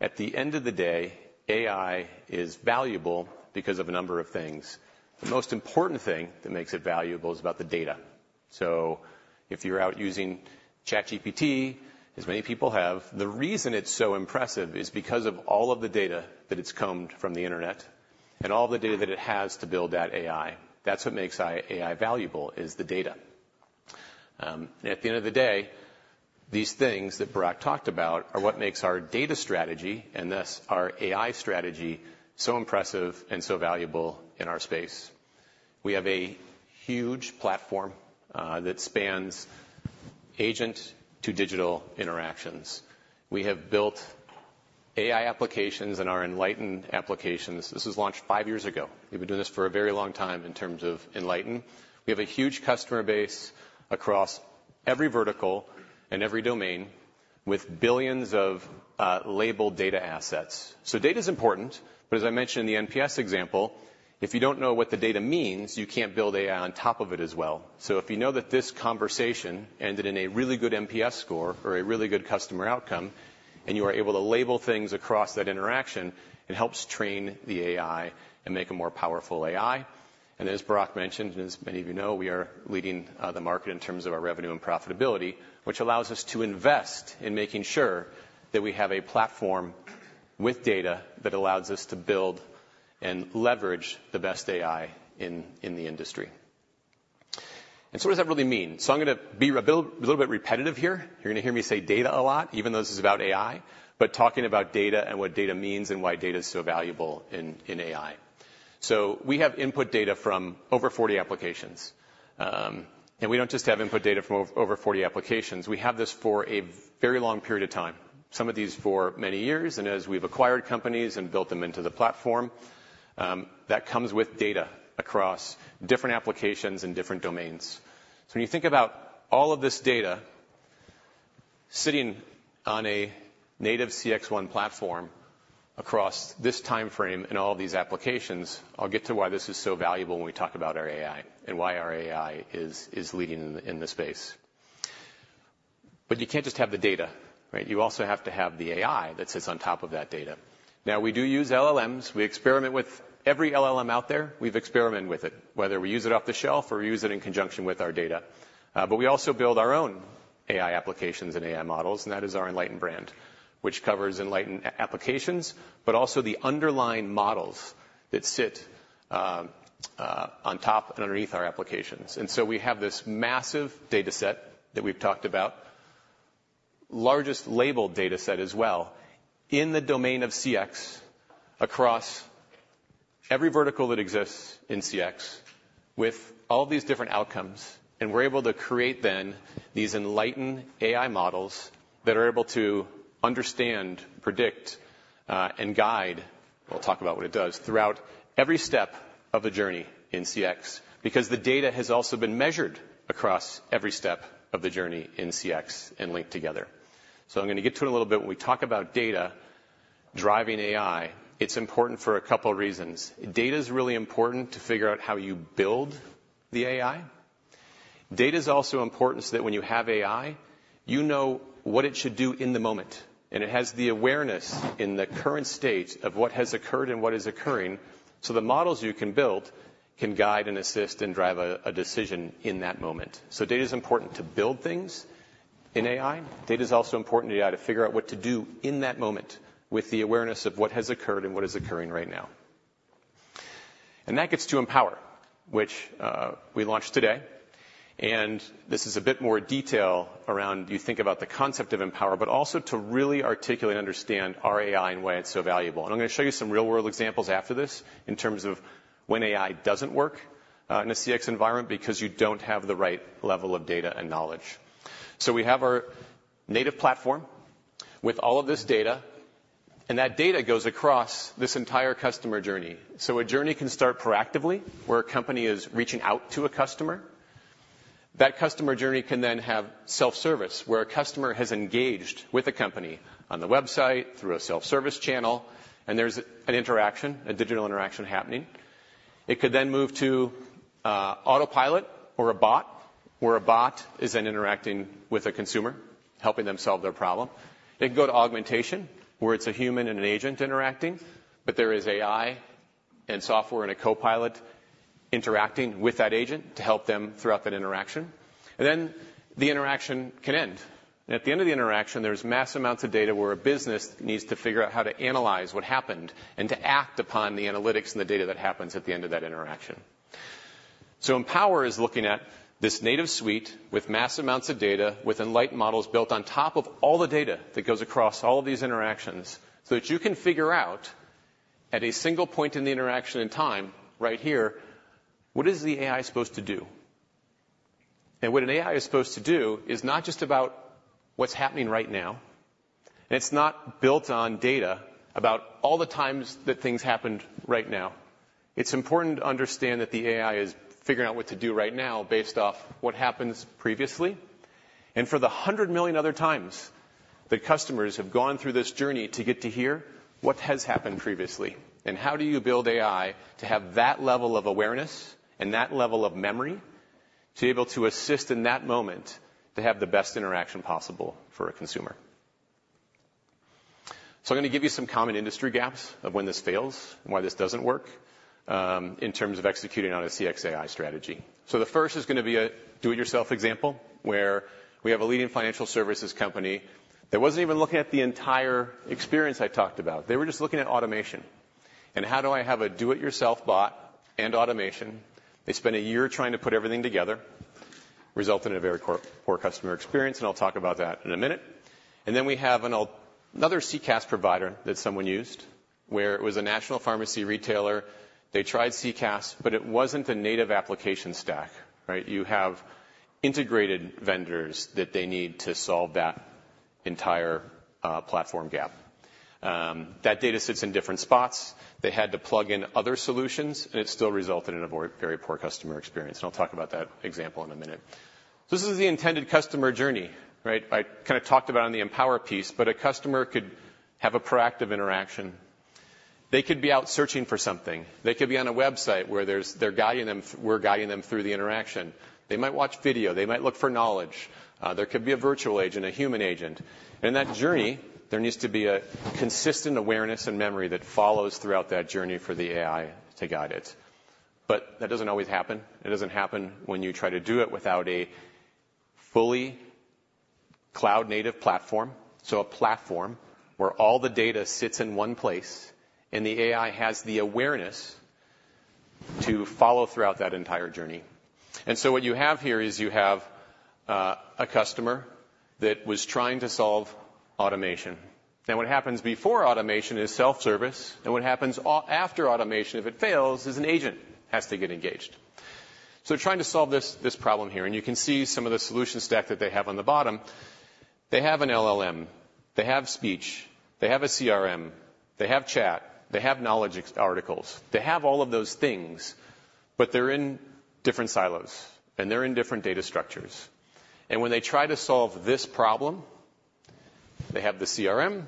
At the end of the day, AI is valuable because of a number of things. The most important thing that makes it valuable is about the data. So if you're out using ChatGPT, as many people have, the reason it's so impressive is because of all of the data that it's combed from the Internet and all the data that it has to build that AI. That's what makes AI valuable, is the data. At the end of the day, these things that Barak talked about are what makes our data strategy, and thus our AI strategy, so impressive and so valuable in our space. We have a huge platform that spans agent to digital interactions. We have built AI applications and our Enlighten applications. This was launched five years ago. We've been doing this for a very long time in terms of Enlighten. We have a huge customer base across every vertical and every domain with billions of labeled data assets. So data is important, but as I mentioned in the NPS example, if you don't know what the data means, you can't build AI on top of it as well. So if you know that this conversation ended in a really good NPS score or a really good customer outcome, and you are able to label things across that interaction, it helps train the AI and make a more powerful AI. And as Barak mentioned, and as many of you know, we are leading the market in terms of our revenue and profitability, which allows us to invest in making sure that we have a platform with data that allows us to build and leverage the best AI in the industry. And so what does that really mean? So I'm gonna be a little bit repetitive here. You're gonna hear me say data a lot, even though this is about AI, but talking about data and what data means and why data is so valuable in AI. So we have input data from over 40 applications. And we don't just have input data from over 40 applications. We have this for a very long period of time, some of these for many years, and as we've acquired companies and built them into the platform, that comes with data across different applications and different domains. So when you think about all of this data sitting on a native CXone platform across this timeframe and all of these applications, I'll get to why this is so valuable when we talk about our AI and why our AI is leading in the space. But you can't just have the data, right? You also have to have the AI that sits on top of that data. Now, we do use LLMs. We experiment with every LLM out there. We've experimented with it, whether we use it off the shelf or use it in conjunction with our data. But we also build our own AI applications and AI models, and that is our Enlighten brand, which covers Enlighten applications, but also the underlying models that sit on top and underneath our applications. And so we have this massive data set that we've talked about, largest labeled data set as well, in the domain of CX, across every vertical that exists in CX, with all these different outcomes, and we're able to create then these Enlighten AI models that are able to understand, predict, and guide-... We'll talk about what it does throughout every step of the journey in CX, because the data has also been measured across every step of the journey in CX and linked together. So I'm gonna get to it a little bit. When we talk about data driving AI, it's important for a couple of reasons. Data is really important to figure out how you build the AI. Data is also important, so that when you have AI, you know what it should do in the moment, and it has the awareness in the current state of what has occurred and what is occurring, so the models you can build can guide and assist and drive a, a decision in that moment. So data is important to build things in AI. Data is also important in AI to figure out what to do in that moment with the awareness of what has occurred and what is occurring right now. And that gets to Mpower, which we launched today, and this is a bit more detail around. You think about the concept of Mpower, but also to really articulate and understand our AI and why it's so valuable. And I'm gonna show you some real-world examples after this in terms of when AI doesn't work in a CX environment, because you don't have the right level of data and knowledge. So we have our native platform with all of this data, and that data goes across this entire customer journey. So a journey can start proactively, where a company is reaching out to a customer. That customer journey can then have self-service, where a customer has engaged with a company on the website through a self-service channel, and there's an interaction, a digital interaction happening. It could then move to, autopilot or a bot, where a bot is then interacting with a consumer, helping them solve their problem. It can go to augmentation, where it's a human and an agent interacting, but there is AI and software and a copilot interacting with that agent to help them throughout that interaction. And then the interaction can end. And at the end of the interaction, there's mass amounts of data where a business needs to figure out how to analyze what happened and to act upon the analytics and the data that happens at the end of that interaction. So power is looking at this native suite with mass amounts of data, with Enlighten models built on top of all the data that goes across all of these interactions, so that you can figure out at a single point in the interaction in time, right here, what is the AI supposed to do? And what an AI is supposed to do is not just about what's happening right now, and it's not built on data about all the times that things happened right now. It's important to understand that the AI is figuring out what to do right now, based off what happens previously. And for the 100 million other times that customers have gone through this journey to get to here, what has happened previously, and how do you build AI to have that level of awareness and that level of memory, to be able to assist in that moment to have the best interaction possible for a consumer? So I'm gonna give you some common industry gaps of when this fails and why this doesn't work, in terms of executing on a CX AI strategy. So the first is gonna be a do-it-yourself example, where we have a leading financial services company that wasn't even looking at the entire experience I talked about. They were just looking at automation, and how do I have a do-it-yourself bot and automation? They spent a year trying to put everything together, resulted in a very poor, poor customer experience, and I'll talk about that in a minute. Then we have another CCaaS provider that someone used, where it was a national pharmacy retailer. They tried CCaaS, but it wasn't a native application stack, right? You have integrated vendors that they need to solve that entire platform gap. That data sits in different spots. They had to plug in other solutions, and it still resulted in a very poor customer experience. I'll talk about that example in a minute. This is the intended customer journey, right? I kind of talked about on the Mpower piece, but a customer could have a proactive interaction. They could be out searching for something. They could be on a website where there's, they're guiding them, we're guiding them through the interaction. They might watch video, they might look for knowledge. There could be a virtual agent, a human agent. In that journey, there needs to be a consistent awareness and memory that follows throughout that journey for the AI to guide it. But that doesn't always happen. It doesn't happen when you try to do it without a fully cloud-native platform. So a platform where all the data sits in one place, and the AI has the awareness to follow throughout that entire journey. And so what you have here is you have a customer that was trying to solve automation. Then what happens before automation is self-service, and what happens after automation, if it fails, is an agent has to get engaged. So trying to solve this, this problem here, and you can see some of the solution stack that they have on the bottom. They have an LLM, they have speech, they have a CRM, they have chat, they have knowledge expert articles. They have all of those things, but they're in different silos, and they're in different data structures. When they try to solve this problem, they have the CRM,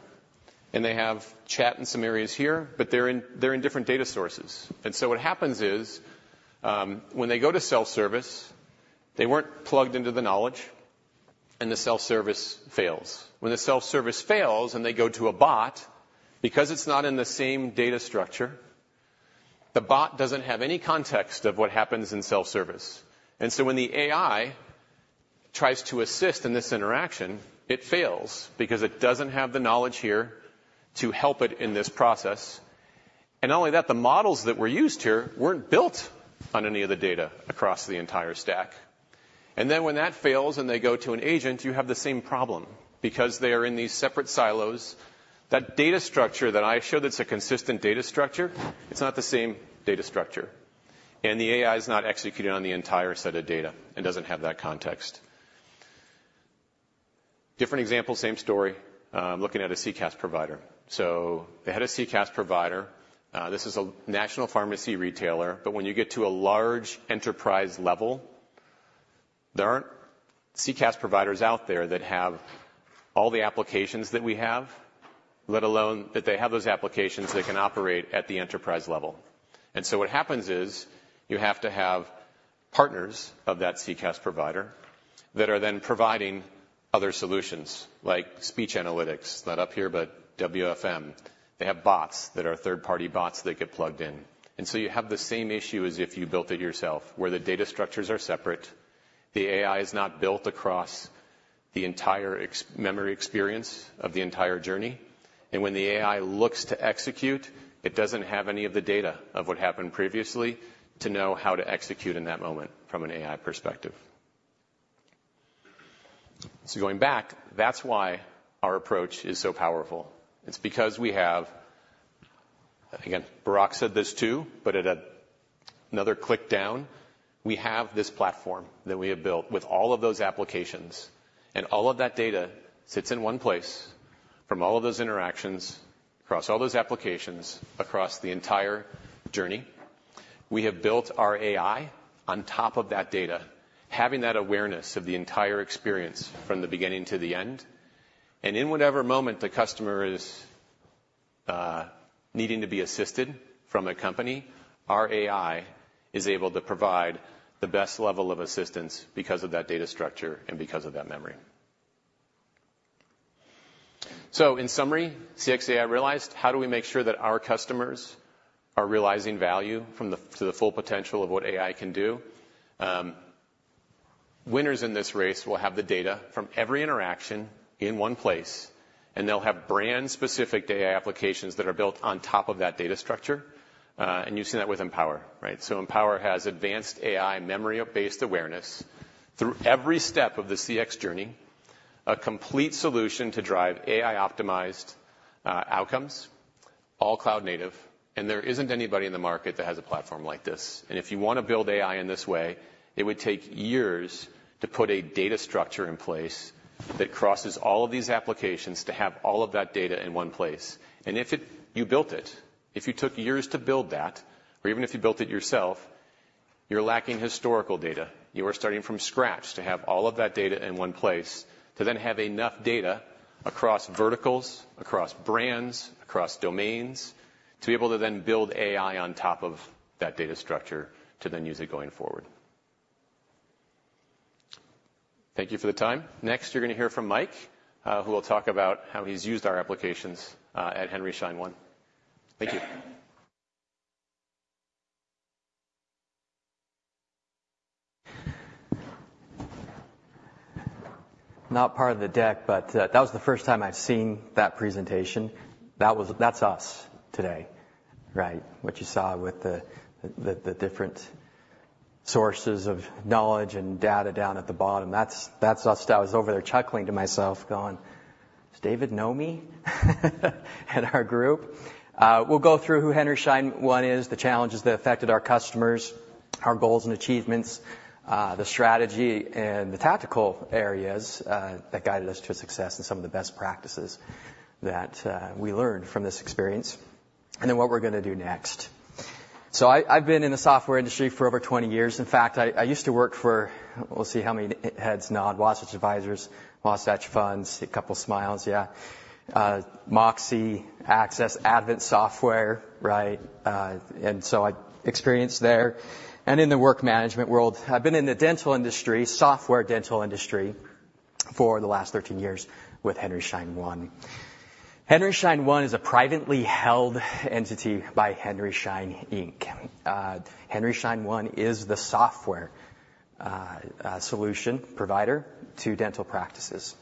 and they have chat in some areas here, but they're in different data sources. So what happens is, when they go to self-service, they weren't plugged into the knowledge and the self-service fails. When the self-service fails and they go to a bot, because it's not in the same data structure, the bot doesn't have any context of what happens in self-service. So when the AI tries to assist in this interaction, it fails because it doesn't have the knowledge here to help it in this process. And not only that, the models that were used here weren't built on any of the data across the entire stack. And then when that fails and they go to an agent, you have the same problem because they are in these separate silos. That data structure that I showed, it's a consistent data structure. It's not the same data structure, and the AI is not executed on the entire set of data and doesn't have that context.... Different example, same story. Looking at a CCaaS provider. So they had a CCaaS provider. This is a national pharmacy retailer, but when you get to a large enterprise level, there aren't CCaaS providers out there that have all the applications that we have, let alone that they have those applications that can operate at the enterprise level. What happens is, you have to have partners of that CCaaS provider that are then providing other solutions, like speech analytics, not up here, but WFM. They have bots that are third-party bots that get plugged in. You have the same issue as if you built it yourself, where the data structures are separate, the AI is not built across the entire customer experience of the entire journey, and when the AI looks to execute, it doesn't have any of the data of what happened previously to know how to execute in that moment from an AI perspective. Going back, that's why our approach is so powerful. It's because we have-- Again, Barak said this, too, but at a, another click down, we have this platform that we have built with all of those applications, and all of that data sits in one place from all of those interactions, across all those applications, across the entire journey. We have built our AI on top of that data, having that awareness of the entire experience from the beginning to the end. And in whatever moment the customer is needing to be assisted from a company, our AI is able to provide the best level of assistance because of that data structure and because of that memory. So in summary, CX AI realized, how do we make sure that our customers are realizing value from the-- to the full potential of what AI can do? Winners in this race will have the data from every interaction in one place, and they'll have brand-specific AI applications that are built on top of that data structure. And you've seen that with Mpower, right? So Mpower has advanced AI memory of based awareness through every step of the CX journey, a complete solution to drive AI-optimized outcomes, all cloud native, and there isn't anybody in the market that has a platform like this. And if you want to build AI in this way, it would take years to put a data structure in place that crosses all of these applications, to have all of that data in one place. And if you built it, if you took years to build that, or even if you built it yourself, you're lacking historical data. You are starting from scratch to have all of that data in one place, to then have enough data across verticals, across brands, across domains, to be able to then build AI on top of that data structure, to then use it going forward. Thank you for the time. Next, you're going to hear from Mike, who will talk about how he's used our applications, at Henry Schein One. Thank you. Not part of the deck, but that was the first time I've seen that presentation. That was. That's us today, right? What you saw with the different sources of knowledge and data down at the bottom. That's us. I was over there chuckling to myself, going, "Does David know me?" And our group. We'll go through who Henry Schein One is, the challenges that affected our customers, our goals and achievements, the strategy and the tactical areas that guided us to success, and some of the best practices that we learned from this experience, and then what we're gonna do next. So I've been in the software industry for over 20 years. In fact, I used to work for... We'll see how many heads nod, Wasatch Advisors, Wasatch Funds. See a couple smiles, yeah. Moxie, Access, Advent Software, right? So I experienced there. In the work management world, I've been in the dental industry, software dental industry, for the last 13 years with Henry Schein One. Henry Schein One is a privately held entity by Henry Schein, Inc. Henry Schein One is the software solution provider to dental practices.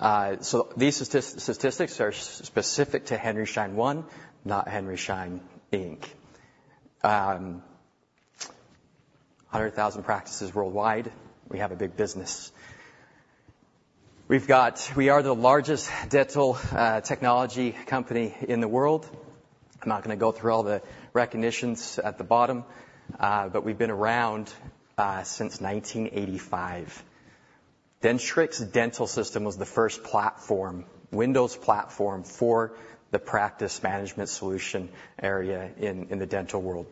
So these statistics are specific to Henry Schein One, not Henry Schein, Inc. 100,000 practices worldwide. We have a big business. We are the largest dental technology company in the world. I'm not gonna go through all the recognitions at the bottom, but we've been around since 1985. Dentrix Dental System was the first platform, Windows platform, for the practice management solution area in the dental world.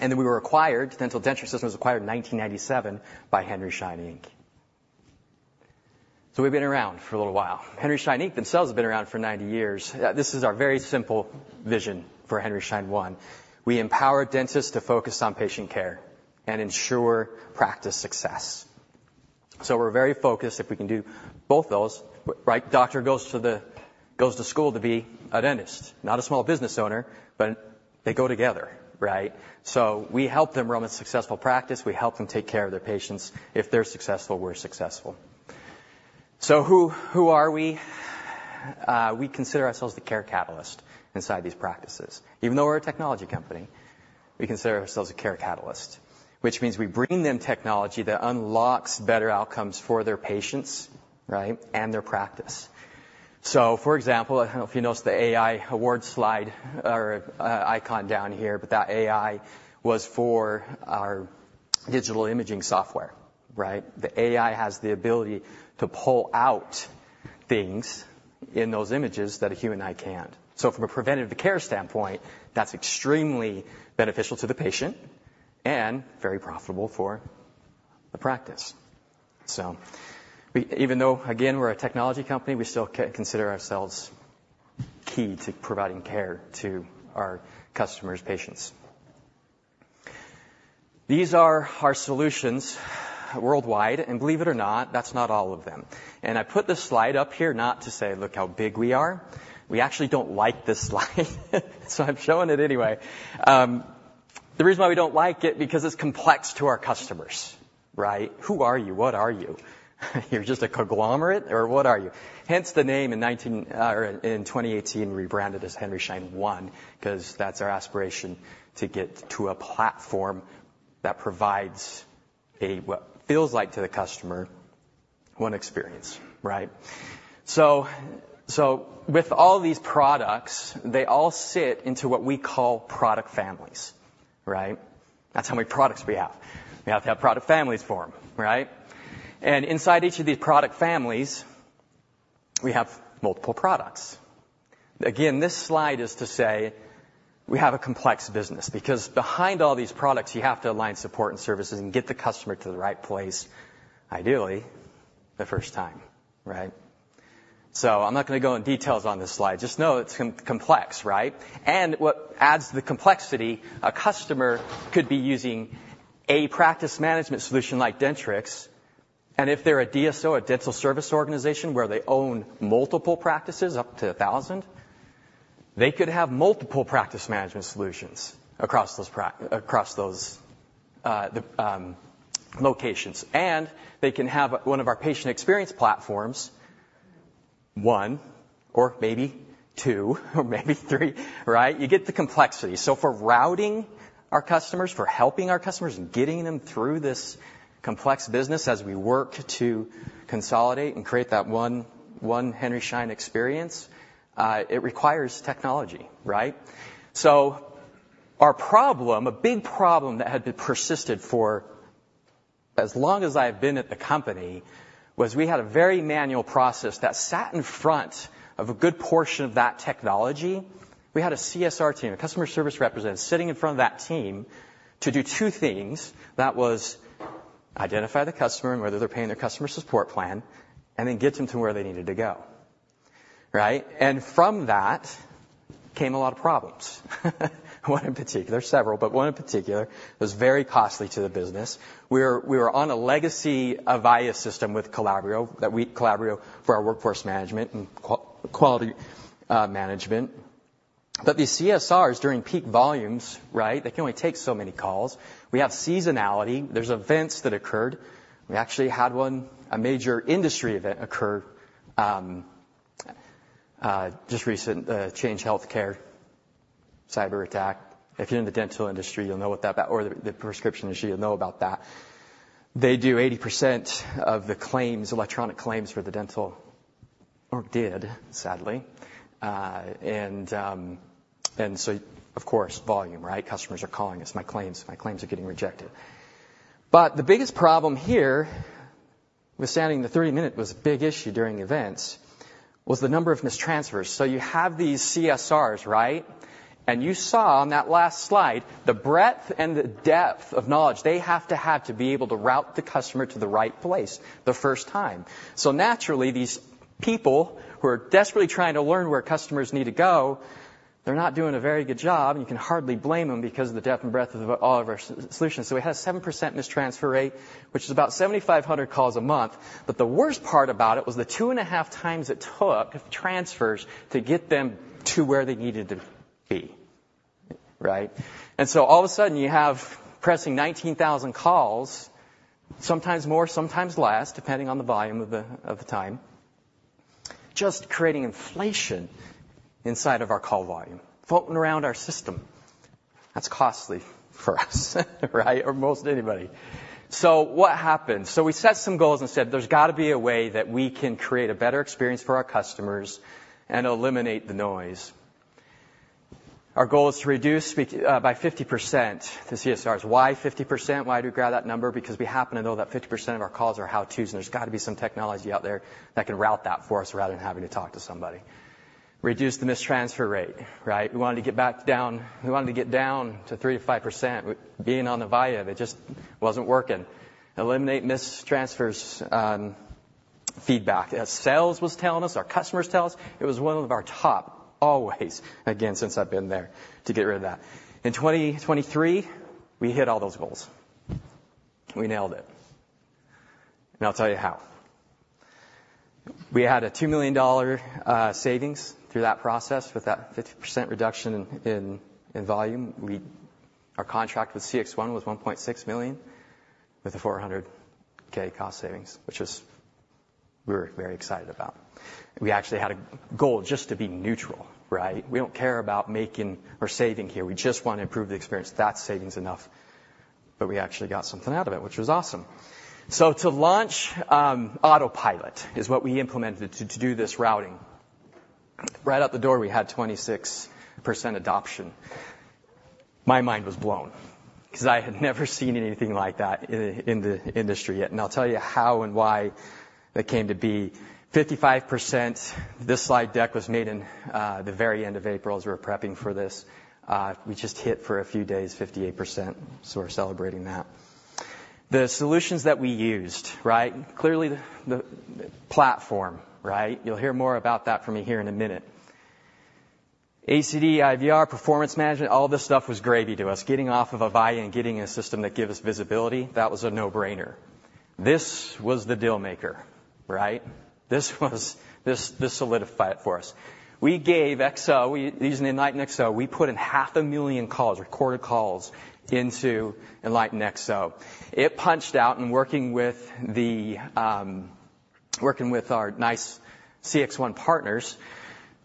Then we were acquired, Dentrix Dental System was acquired in 1997 by Henry Schein, Inc. So we've been around for a little while. Henry Schein, Inc. themselves, have been around for 90 years. This is our very simple vision for Henry Schein One. We empower dentists to focus on patient care and ensure practice success. So we're very focused if we can do both those, right? Doctor goes to school to be a dentist, not a small business owner, but they go together, right? So we help them run a successful practice. We help them take care of their patients. If they're successful, we're successful. So who, who are we? We consider ourselves the care catalyst inside these practices. Even though we're a technology company, we consider ourselves a care catalyst, which means we bring them technology that unlocks better outcomes for their patients, right, and their practice. So, for example, I don't know if you noticed the AI award slide or icon down here, but that AI was for our digital imaging software, right? The AI has the ability to pull out things in those images that a human eye can't. So from a preventative care standpoint, that's extremely beneficial to the patient and very profitable for the practice. So we, even though, again, we're a technology company, we still consider ourselves key to providing care to our customers' patients. These are our solutions worldwide, and believe it or not, that's not all of them. And I put this slide up here not to say: Look how big we are. We actually don't like this slide, so I'm showing it anyway. The reason why we don't like it, because it's complex to our customers, right? Who are you? What are you? You're just a conglomerate or what are you? Hence the name in 2018, rebranded as Henry Schein One, 'cause that's our aspiration to get to a platform that provides a, what feels like to the customer, one experience, right? So, so with all these products, they all sit into what we call product families, right? That's how many products we have. We have to have product families for them, right? And inside each of these product families, we have multiple products. Again, this slide is to say, we have a complex business, because behind all these products, you have to align support and services and get the customer to the right place, ideally, the first time, right? So I'm not gonna go in details on this slide. Just know it's complex, right? And what adds to the complexity, a customer could be using a practice management solution like Dentrix, and if they're a DSO, a dental service organization, where they own multiple practices, up to 1,000, they could have multiple practice management solutions across those locations. And they can have one of our patient experience platforms, one or maybe two, or maybe three, right? You get the complexity. So for routing our customers, for helping our customers, and getting them through this complex business as we work to consolidate and create that one Henry Schein One experience, it requires technology, right? So our problem, a big problem that had been persisted for as long as I've been at the company, was we had a very manual process that sat in front of a good portion of that technology. We had a CSR team, a customer service representative, sitting in front of that team to do two things. That was identify the customer and whether they're paying their customer support plan, and then get them to where they needed to go, right? And from that came a lot of problems. One in particular, several, but one in particular, was very costly to the business. We were on a legacy Avaya system with Calabrio for our workforce management and quality management. But these CSRs, during peak volumes, right, they can only take so many calls. We have seasonality. There are events that occurred. We actually had one, a major industry event occur just recently, Change Healthcare cyberattack. If you're in the dental industry, you'll know what that's about or the prescription industry, you'll know about that. They do 80% of the claims, electronic claims for the dental, or did, sadly. And so of course, volume, right? Customers are calling us, "My claims, my claims are getting rejected." But the biggest problem here, notwithstanding the 30-minute, was a big issue during events, was the number of mistransfers. So you have these CSRs, right? You saw on that last slide, the breadth and the depth of knowledge they have to have to be able to route the customer to the right place the first time. So naturally, these people who are desperately trying to learn where customers need to go, they're not doing a very good job, and you can hardly blame them because of the depth and breadth of all of our solutions. We had a 7% mistransfer rate, which is about 7,500 calls a month. The worst part about it was the two and a half times it took transfers to get them to where they needed to be, right? All of a sudden, you have processing 19,000 calls, sometimes more, sometimes less, depending on the volume of the time, just creating inflation inside of our call volume, floating around our system. That's costly for us, right? Or most anybody. So what happened? So we set some goals and said, "There's got to be a way that we can create a better experience for our customers and eliminate the noise." Our goal is to reduce speak by 50% the CSRs. Why 50%? Why do we grab that number? Because we happen to know that 50% of our calls are how-tos, and there's got to be some technology out there that can route that for us, rather than having to talk to somebody. Reduce the mistransfer rate, right? We wanted to get back down. We wanted to get down to 3%-5%. Being on Avaya, that just wasn't working. Eliminate mistransfers, feedback. As sales was telling us, our customers tell us, it was one of our top, always, again, since I've been there, to get rid of that. In 2023, we hit all those goals. We nailed it, and I'll tell you how. We had a $2 million savings through that process. With that 50% reduction in volume, our contract with CXone was $1.6 million, with a $400K cost savings, which is, we were very excited about. We actually had a goal just to be neutral, right? We don't care about making or saving here. We just want to improve the experience. That's savings enough, but we actually got something out of it, which was awesome. So to launch, Autopilot is what we implemented to do this routing. Right out the door, we had 26% adoption. My mind was blown because I had never seen anything like that in the, in the industry yet, and I'll tell you how and why that came to be. 55%, this slide deck was made in the very end of April, as we were prepping for this. We just hit for a few days, 58%, so we're celebrating that. The solutions that we used, right? Clearly, the, the platform, right? You'll hear more about that from me here in a minute. ACD, IVR, performance management, all this stuff was gravy to us. Getting off of Avaya and getting a system that give us visibility, that was a no-brainer. This was the deal maker, right? This was this, this solidified it for us. We gave XO, using Enlighten XO, we put in 500,000 calls, recorded calls into Enlighten XO. It punched out and working with the, working with our NICE CXone partners,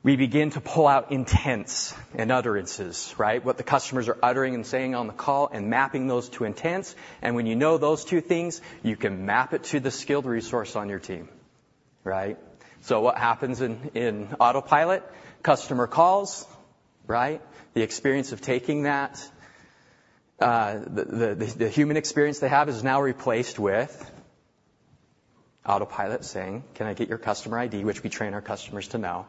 we begin to pull out intents and utterances, right? What the customers are uttering and saying on the call and mapping those to intents. And when you know those two things, you can map it to the skilled resource on your team, right? So what happens in Autopilot? Customer calls, right? The experience of taking that, the human experience they have is now replaced with Autopilot saying, "Can I get your customer ID?" Which we train our customers to know.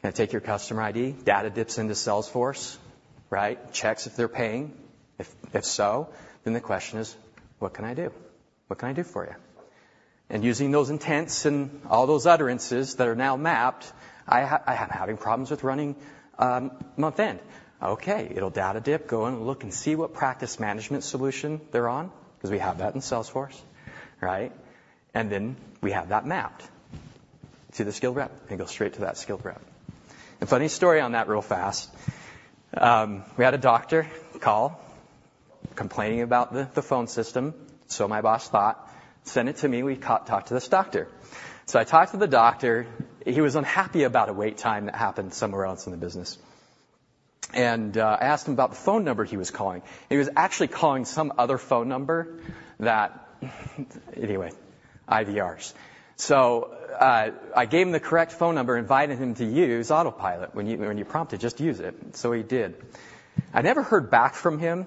"Can I take your customer ID?" Data dips into Salesforce, right? Checks if they're paying. If so, then the question is, what can I do? What can I do for you? And using those intents and all those utterances that are now mapped, I "I'm having problems with running, month end." Okay, it'll data dip, go in and look and see what practice management solution they're on, because we have that in Salesforce, right? And then we have that mapped to the skilled rep, and go straight to that skilled rep. A funny story on that real fast. We had a doctor call, complaining about the, the phone system, so my boss thought, send it to me, we talk to this doctor. So I talked to the doctor, he was unhappy about a wait time that happened somewhere else in the business. And, I asked him about the phone number he was calling. He was actually calling some other phone number that... Anyway, IVRs. So, I gave him the correct phone number, invited him to use Autopilot. When you, when you're prompted, just use it. So he did. I never heard back from him,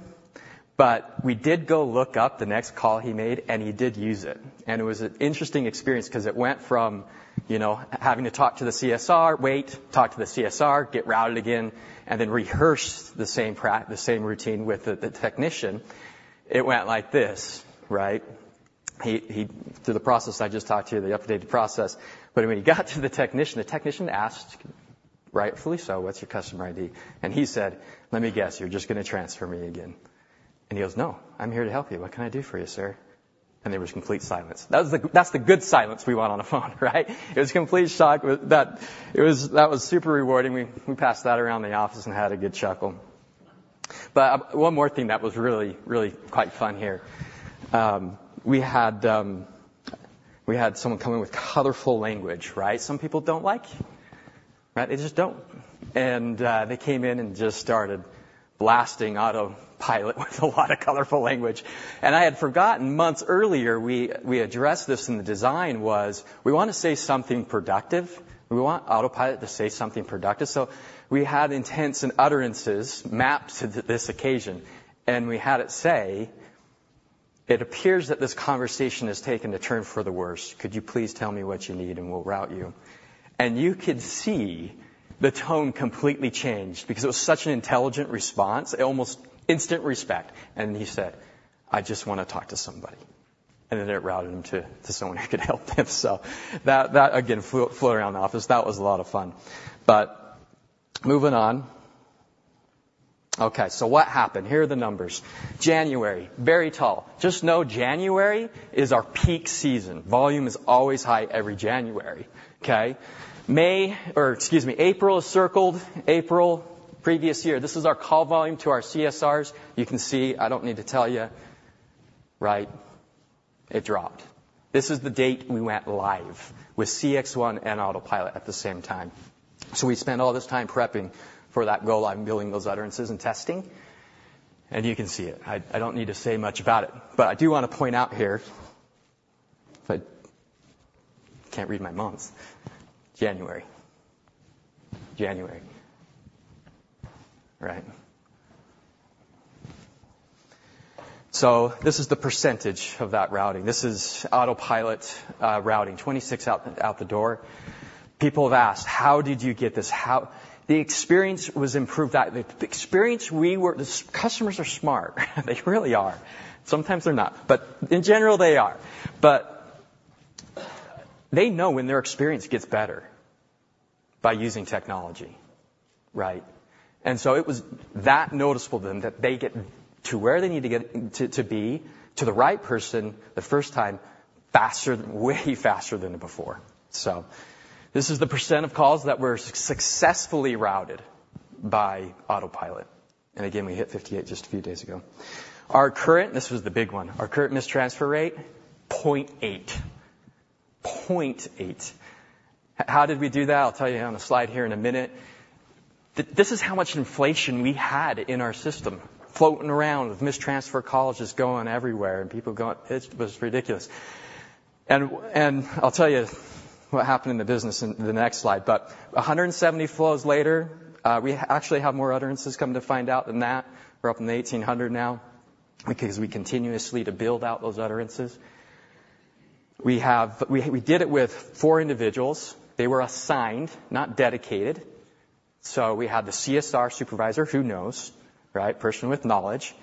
but we did go look up the next call he made, and he did use it. And it was an interesting experience because it went from, you know, having to talk to the CSR, talk to the CSR, get routed again, and then rehearse the same routine with the technician. It went like this, right? Through the process I just talked to you, the updated process, but when he got to the technician, the technician asked, rightfully so, "What's your customer ID?" And he said, "Let me guess, you're just gonna transfer me again." And he goes, "No, I'm here to help you. What can I do for you, sir?" And there was complete silence. That was. That's the good silence we want on the phone, right? It was complete shock. With that, it was. That was super rewarding. We passed that around the office and had a good chuckle. But one more thing that was really, really quite fun here. We had someone come in with colorful language, right? Some people don't like, right? They just don't. And they came in and just started blasting Autopilot with a lot of colorful language. And I had forgotten, months earlier, we addressed this in the design. We want to say something productive, we want Autopilot to say something productive. So we had intents and utterances mapped to this occasion, and we had it say, "It appears that this conversation has taken a turn for the worse. Could you please tell me what you need, and we'll route you?" And you could see the tone completely changed because it was such an intelligent response, almost instant respect. And he said, "I just want to talk to somebody." And then it routed him to someone who could help him. So that again flew around the office. That was a lot of fun. But moving on. Okay, so what happened? Here are the numbers. January, very tall. Just know January is our peak season. Volume is always high every January, okay? May, or excuse me, April is circled. April, previous year, this is our call volume to our CSRs. You can see, I don't need to tell you, right, it dropped. This is the date we went live with CXone and Autopilot at the same time. So we spent all this time prepping for that go live, building those utterances and testing. And you can see it. I, I don't need to say much about it, but I do want to point out here, if I... Can't read my months. January. January. Right. So this is the percentage of that routing. This is Autopilot routing, 26 out the door. People have asked, "How did you get this? How-" The experience was improved, that the experience we were... The customers are smart. They really are. Sometimes they're not, but in general, they are. But they know when their experience gets better by using technology, right? So it was that noticeable then, that they get to where they need to get to, to be, to the right person the first time, faster, way faster than before. So this is the percent of calls that were successfully routed by Autopilot. And again, we hit 58 just a few days ago. Our current... This was the big one. Our current mistransfer rate, 0.8.... 0.8. How did we do that? I'll tell you on a slide here in a minute. This is how much inflation we had in our system, floating around with mistransfer calls going everywhere and people going. It was ridiculous. And, and I'll tell you what happened in the business in the next slide, but 170 flows later, we actually have more utterances come to find out than that. We're up in the 1,800 now, because we continuously to build out those utterances. We have. We did it with four individuals. They were assigned, not dedicated. So we had the CSR supervisor, who knows, right? Person with knowledge.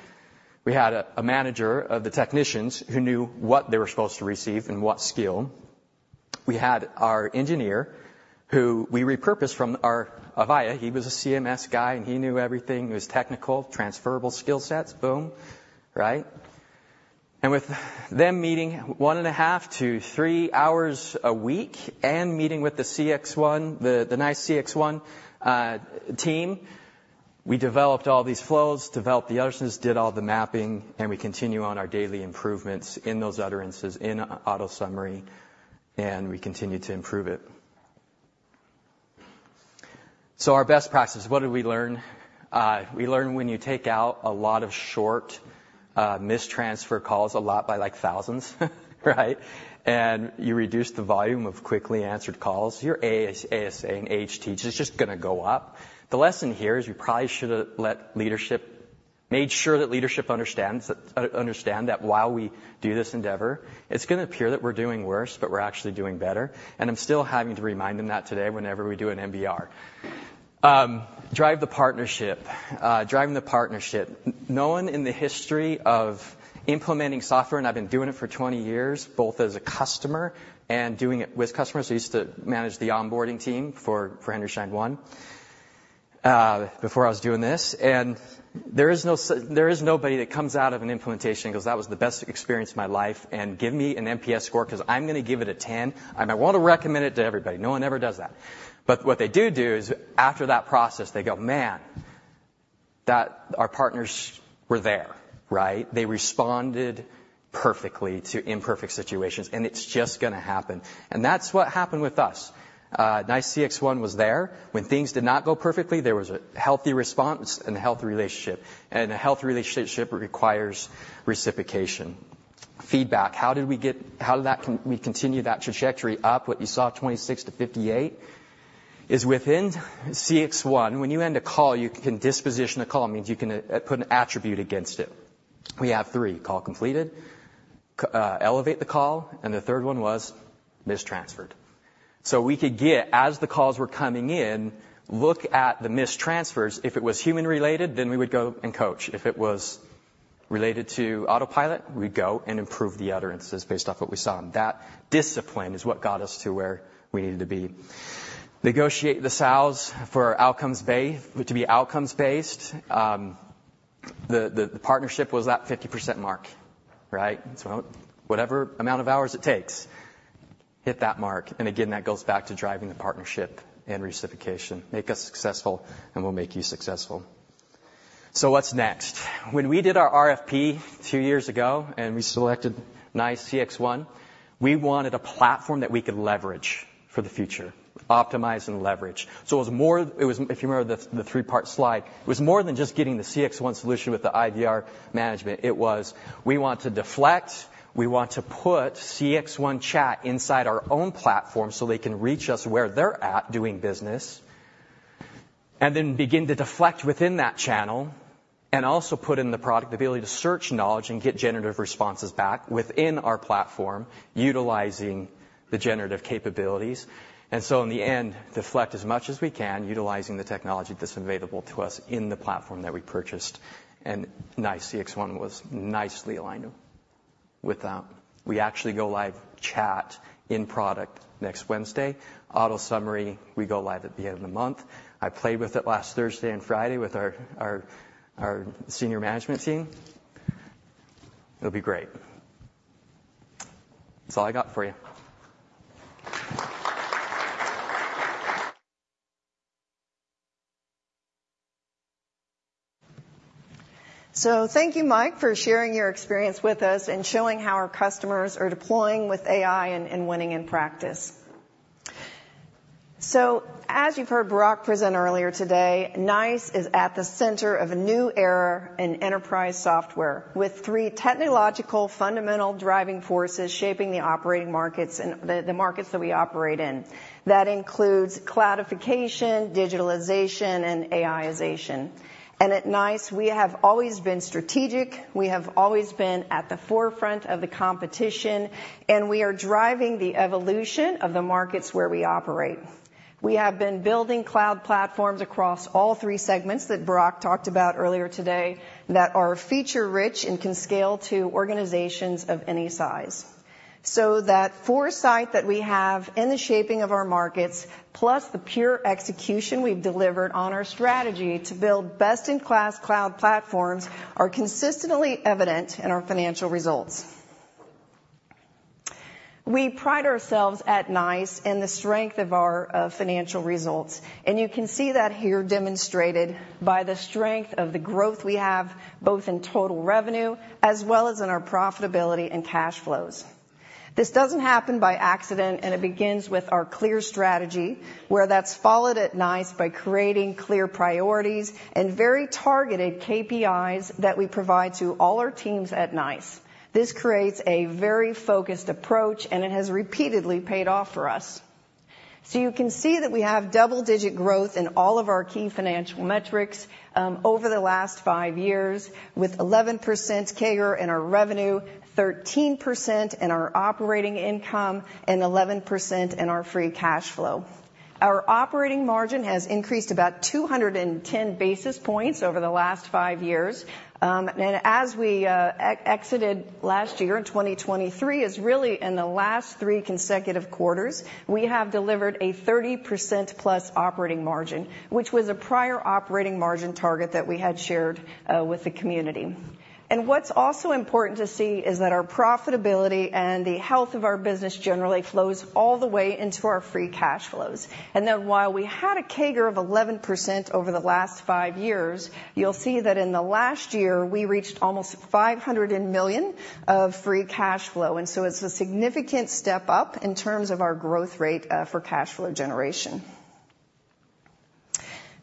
We had a manager of the technicians who knew what they were supposed to receive and what skill. We had our engineer, who we repurposed from our Avaya. He was a CMS guy, and he knew everything, he was technical, transferable skill sets, boom, right? And with them meeting one and a half to three hours a week and meeting with the CXone, the NICE CXone team, we developed all these flows, developed the utterances, did all the mapping, and we continue on our daily improvements in those utterances, in AutoSummary, and we continue to improve it. So our best practices, what did we learn? We learned when you take out a lot of short, mistransfer calls, a lot by, like, thousands, right? And you reduce the volume of quickly answered calls, your ASA and AHT is just gonna go up. The lesson here is you probably should have let leadership made sure that leadership understands understand that while we do this endeavor, it's gonna appear that we're doing worse, but we're actually doing better. And I'm still having to remind them that today, whenever we do an MBR. Drive the partnership. Driving the partnership. No one in the history of implementing software, and I've been doing it for 20 years, both as a customer and doing it with customers. I used to manage the onboarding team for Henry Schein One, before I was doing this. There is nobody that comes out of an implementation and goes, "That was the best experience of my life, and give me an NPS score because I'm gonna give it a 10, and I want to recommend it to everybody." No one ever does that. But what they do do is, after that process, they go, "Man, that our partners were there," right? They responded perfectly to imperfect situations, and it's just gonna happen. And that's what happened with us. NICE CXone was there. When things did not go perfectly, there was a healthy response and a healthy relationship, and a healthy relationship requires reciprocation. Feedback. How did we get? How did that we continue that trajectory up, what you saw, 26-58? It's within CXone, when you end a call, you can disposition a call, means you can put an attribute against it. We have three: call completed, elevate the call, and the third one was mistransferred. So we could get, as the calls were coming in, look at the mistransfers. If it was human-related, then we would go and coach. If it was related to autopilot, we'd go and improve the utterances based off what we saw. And that discipline is what got us to where we needed to be. Negotiate the sales for outcomes-based, to be outcomes-based. The partnership was that 50% mark, right? So whatever amount of hours it takes, hit that mark. And again, that goes back to driving the partnership and reciprocation. Make us successful, and we'll make you successful. So what's next? When we did our RFP two years ago and we selected NICE CXone, we wanted a platform that we could leverage for the future, optimize and leverage. So it was more. It was... If you remember the three-part slide, it was more than just getting the CXone solution with the IVR management. It was, we want to deflect, we want to put CXone Chat inside our own platform so they can reach us where they're at doing business, and then begin to deflect within that channel. And also put in the product the ability to search knowledge and get generative responses back within our platform, utilizing the generative capabilities. And so in the end, deflect as much as we can, utilizing the technology that's available to us in the platform that we purchased, and NICE CXone was nicely aligned with that. We actually go live chat in product next Wednesday. AutoSummary, we go live at the end of the month. I played with it last Thursday and Friday with our senior management team. It'll be great. That's all I got for you. So thank you, Mike, for sharing your experience with us and showing how our customers are deploying with AI and winning in practice. So as you've heard Barak present earlier today, NICE is at the center of a new era in enterprise software, with three technological, fundamental driving forces shaping the operating markets and the markets that we operate in. That includes cloudification, digitalization, and AI-ization. And at NICE, we have always been strategic, we have always been at the forefront of the competition, and we are driving the evolution of the markets where we operate. We have been building cloud platforms across all three segments that Barak talked about earlier today that are feature-rich and can scale to organizations of any size. So that foresight that we have in the shaping of our markets, plus the pure execution we've delivered on our strategy to build best-in-class cloud platforms, are consistently evident in our financial results. We pride ourselves at NICE in the strength of our financial results, and you can see that here demonstrated by the strength of the growth we have, both in total revenue as well as in our profitability and cash flows.... This doesn't happen by accident, and it begins with our clear strategy, where that's followed at NICE by creating clear priorities and very targeted KPIs that we provide to all our teams at NICE. This creates a very focused approach, and it has repeatedly paid off for us. So you can see that we have double-digit growth in all of our key financial metrics over the last five years, with 11% CAGR in our revenue, 13% in our operating income, and 11% in our free cash flow. Our operating margin has increased about 210 basis points over the last five years. And as we exited last year, in 2023, is really in the last three consecutive quarters, we have delivered a 30%+ operating margin, which was a prior operating margin target that we had shared with the community. What's also important to see is that our profitability and the health of our business generally flows all the way into our free cash flows. Then, while we had a CAGR of 11% over the last five years, you'll see that in the last year, we reached almost $500 million of free cash flow, and so it's a significant step up in terms of our growth rate for cash flow generation.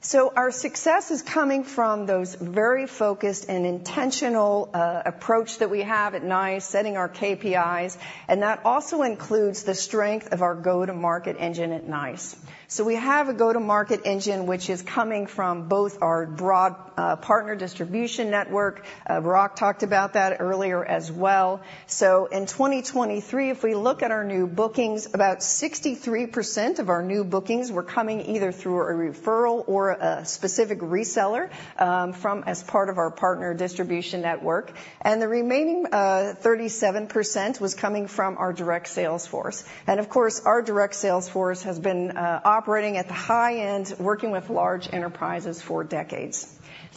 So our success is coming from those very focused and intentional approach that we have at NICE, setting our KPIs, and that also includes the strength of our go-to-market engine at NICE. So we have a go-to-market engine, which is coming from both our broad partner distribution network. Barak talked about that earlier as well. So in 2023, if we look at our new bookings, about 63% of our new bookings were coming either through a referral or a specific reseller from as part of our partner distribution network. The remaining, 37% was coming from our direct sales force. Of course, our direct sales force has been, operating at the high end, working with large enterprises for decades.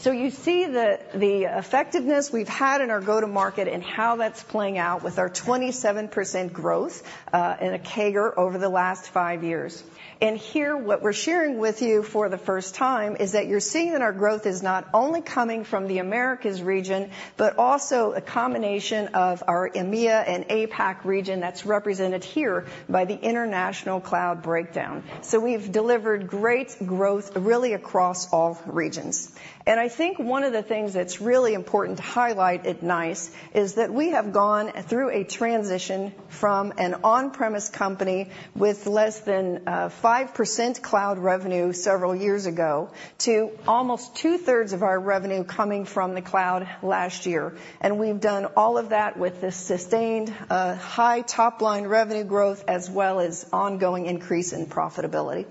You see the, the effectiveness we've had in our go-to-market and how that's playing out with our 27% growth, in a CAGR over the last 5 years. Here, what we're sharing with you for the first time, is that you're seeing that our growth is not only coming from the Americas region, but also a combination of our EMEA and APAC region that's represented here by the international cloud breakdown. We've delivered great growth, really, across all regions. I think one of the things that's really important to highlight at NICE is that we have gone through a transition from an on-premise company with less than 5% cloud revenue several years ago, to almost two-thirds of our revenue coming from the cloud last year. We've done all of that with a sustained high top-line revenue growth, as well as ongoing increase in profitability.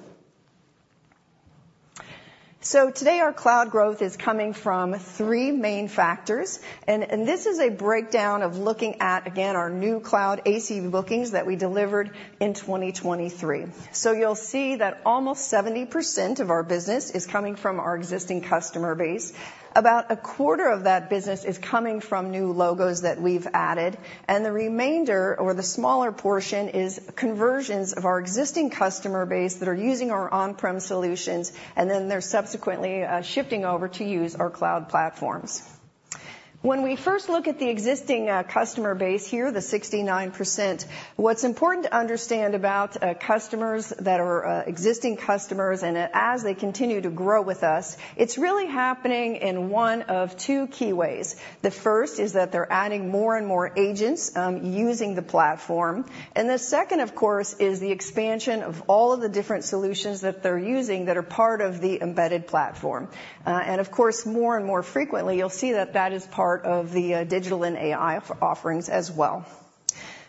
So today, our cloud growth is coming from three main factors, and this is a breakdown of looking at, again, our new cloud ACV bookings that we delivered in 2023. You'll see that almost 70% of our business is coming from our existing customer base. About a quarter of that business is coming from new logos that we've added, and the remainder or the smaller portion, is conversions of our existing customer base that are using our on-prem solutions, and then they're subsequently, shifting over to use our cloud platforms. When we first look at the existing, customer base here, the 69%, what's important to understand about, customers that are, existing customers, and a- as they continue to grow with us, it's really happening in one of two key ways. The first is that they're adding more and more agents, using the platform. And the second, of course, is the expansion of all of the different solutions that they're using that are part of the embedded platform. And of course, more and more frequently, you'll see that that is part of the digital and AI offerings as well.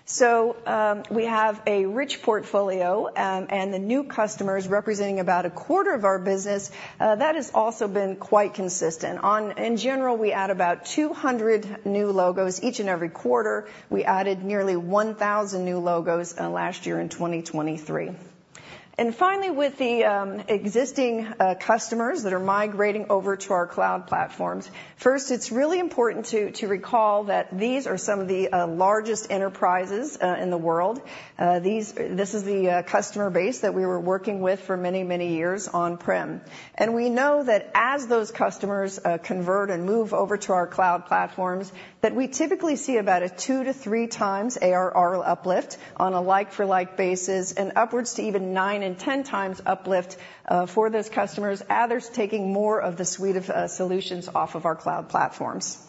So, we have a rich portfolio, and the new customers representing about a quarter of our business that has also been quite consistent. In general, we add about 200 new logos each and every quarter. We added nearly 1,000 new logos last year in 2023. And finally, with the existing customers that are migrating over to our cloud platforms, first, it's really important to recall that these are some of the largest enterprises in the world. This is the customer base that we were working with for many, many years on-prem. And we know that as those customers convert and move over to our cloud platforms, that we typically see about a two to three times ARR uplift on a like for like basis, and upwards to even nine to 10 times uplift for those customers as they're taking more of the suite of solutions off of our cloud platforms.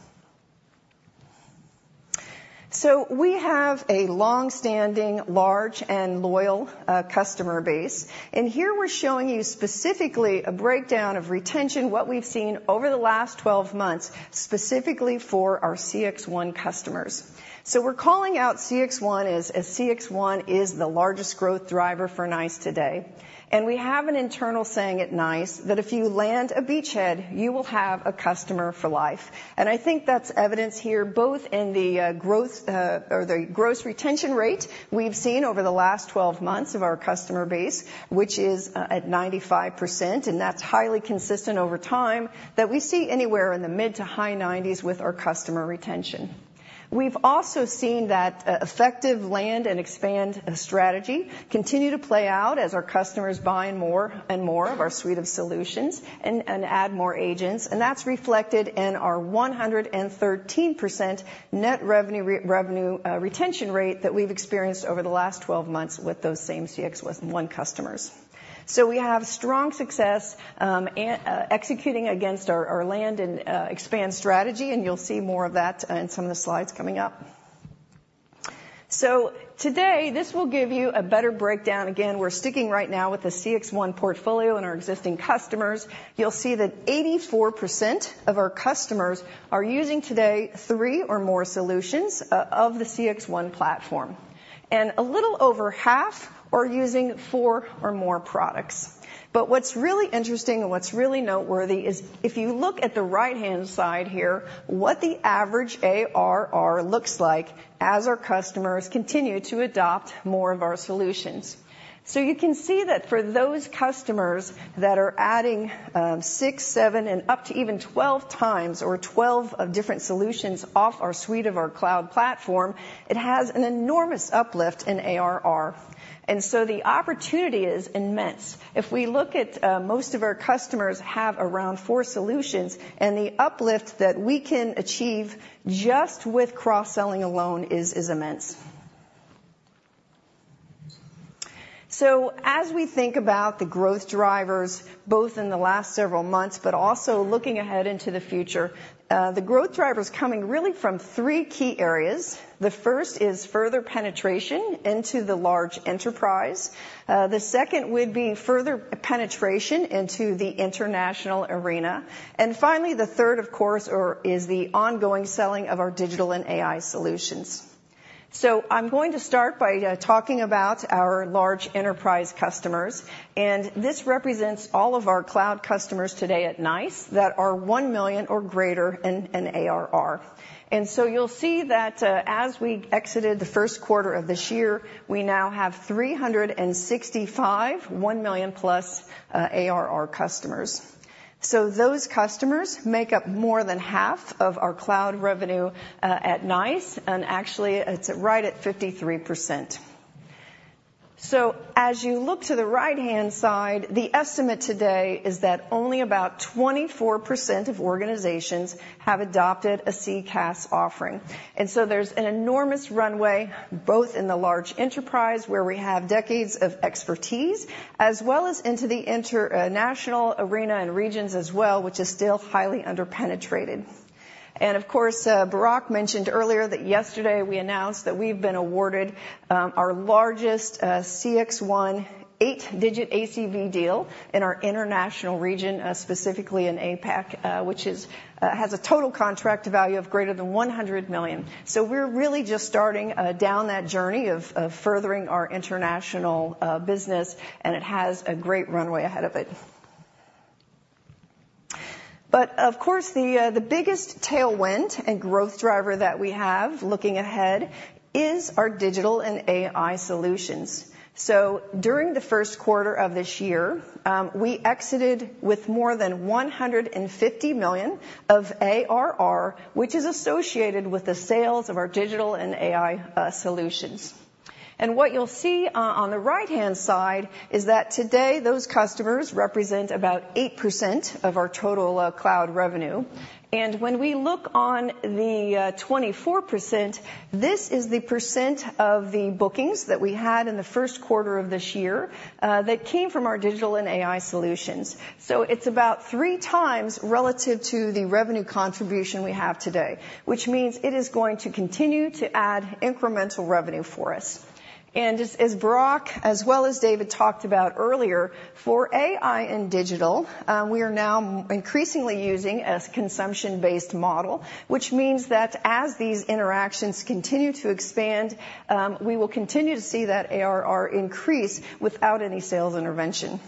So we have a long-standing, large and loyal customer base, and here we're showing you specifically a breakdown of retention, what we've seen over the last 12 months, specifically for our CXone customers. So we're calling out CXone, as CXone is the largest growth driver for NICE today. And we have an internal saying at NICE, that if you land a beachhead, you will have a customer for life. I think that's evidenced here, both in the growth or the gross retention rate we've seen over the last twelve months of our customer base, which is at 95%, and that's highly consistent over time, that we see anywhere in the mid- to high 90s with our customer retention. We've also seen that effective land and expand strategy continue to play out as our customers buy more and more of our suite of solutions and add more agents, and that's reflected in our 113% net revenue retention rate that we've experienced over the last twelve months with those same CXone customers. So we have strong success executing against our land and expand strategy, and you'll see more of that in some of the slides coming up. Today, this will give you a better breakdown. Again, we're sticking right now with the CXone portfolio and our existing customers. You'll see that 84% of our customers are using today three or more solutions of the CXone platform, and a little over half are using four or more products. But what's really interesting and what's really noteworthy is if you look at the right-hand side here, what the average ARR looks like as our customers continue to adopt more of our solutions. You can see that for those customers that are adding six, seven, and up to even 12 times or 12 of different solutions off our suite of our cloud platform, it has an enormous uplift in ARR, and so the opportunity is immense. If we look at most of our customers have around four solutions, and the uplift that we can achieve just with cross-selling alone is immense. So as we think about the growth drivers, both in the last several months, but also looking ahead into the future, the growth driver's coming really from three key areas. The first is further penetration into the large enterprise. The second would be further penetration into the international arena. And finally, the third, of course, is the ongoing selling of our digital and AI solutions. So I'm going to start by talking about our large enterprise customers, and this represents all of our cloud customers today at NICE that are $1 million or greater in ARR. And so you'll see that, as we exited the first quarter of this year, we now have 365, 1 million plus ARR customers. So those customers make up more than half of our cloud revenue, at NICE, and actually, it's right at 53%. So as you look to the right-hand side, the estimate today is that only about 24% of organizations have adopted a CCaaS offering. And so there's an enormous runway, both in the large enterprise, where we have decades of expertise, as well as into the international arena and regions as well, which is still highly under-penetrated. Of course, Barak mentioned earlier that yesterday we announced that we've been awarded our largest CXone eight-digit ACV deal in our international region, specifically in APAC, which has a total contract value of greater than $100 million. So we're really just starting down that journey of furthering our international business, and it has a great runway ahead of it. But of course, the biggest tailwind and growth driver that we have, looking ahead, is our digital and AI solutions. So during the first quarter of this year, we exited with more than $150 million of ARR, which is associated with the sales of our digital and AI solutions. What you'll see on the right-hand side is that today, those customers represent about 8% of our total cloud revenue. When we look on the 24%, this is the percent of the bookings that we had in the first quarter of this year that came from our digital and AI solutions. So it's about three times relative to the revenue contribution we have today, which means it is going to continue to add incremental revenue for us. And as Barak, as well as David, talked about earlier, for AI and digital, we are now increasingly using a consumption-based model, which means that as these interactions continue to expand, we will continue to see that ARR increase without any sales intervention.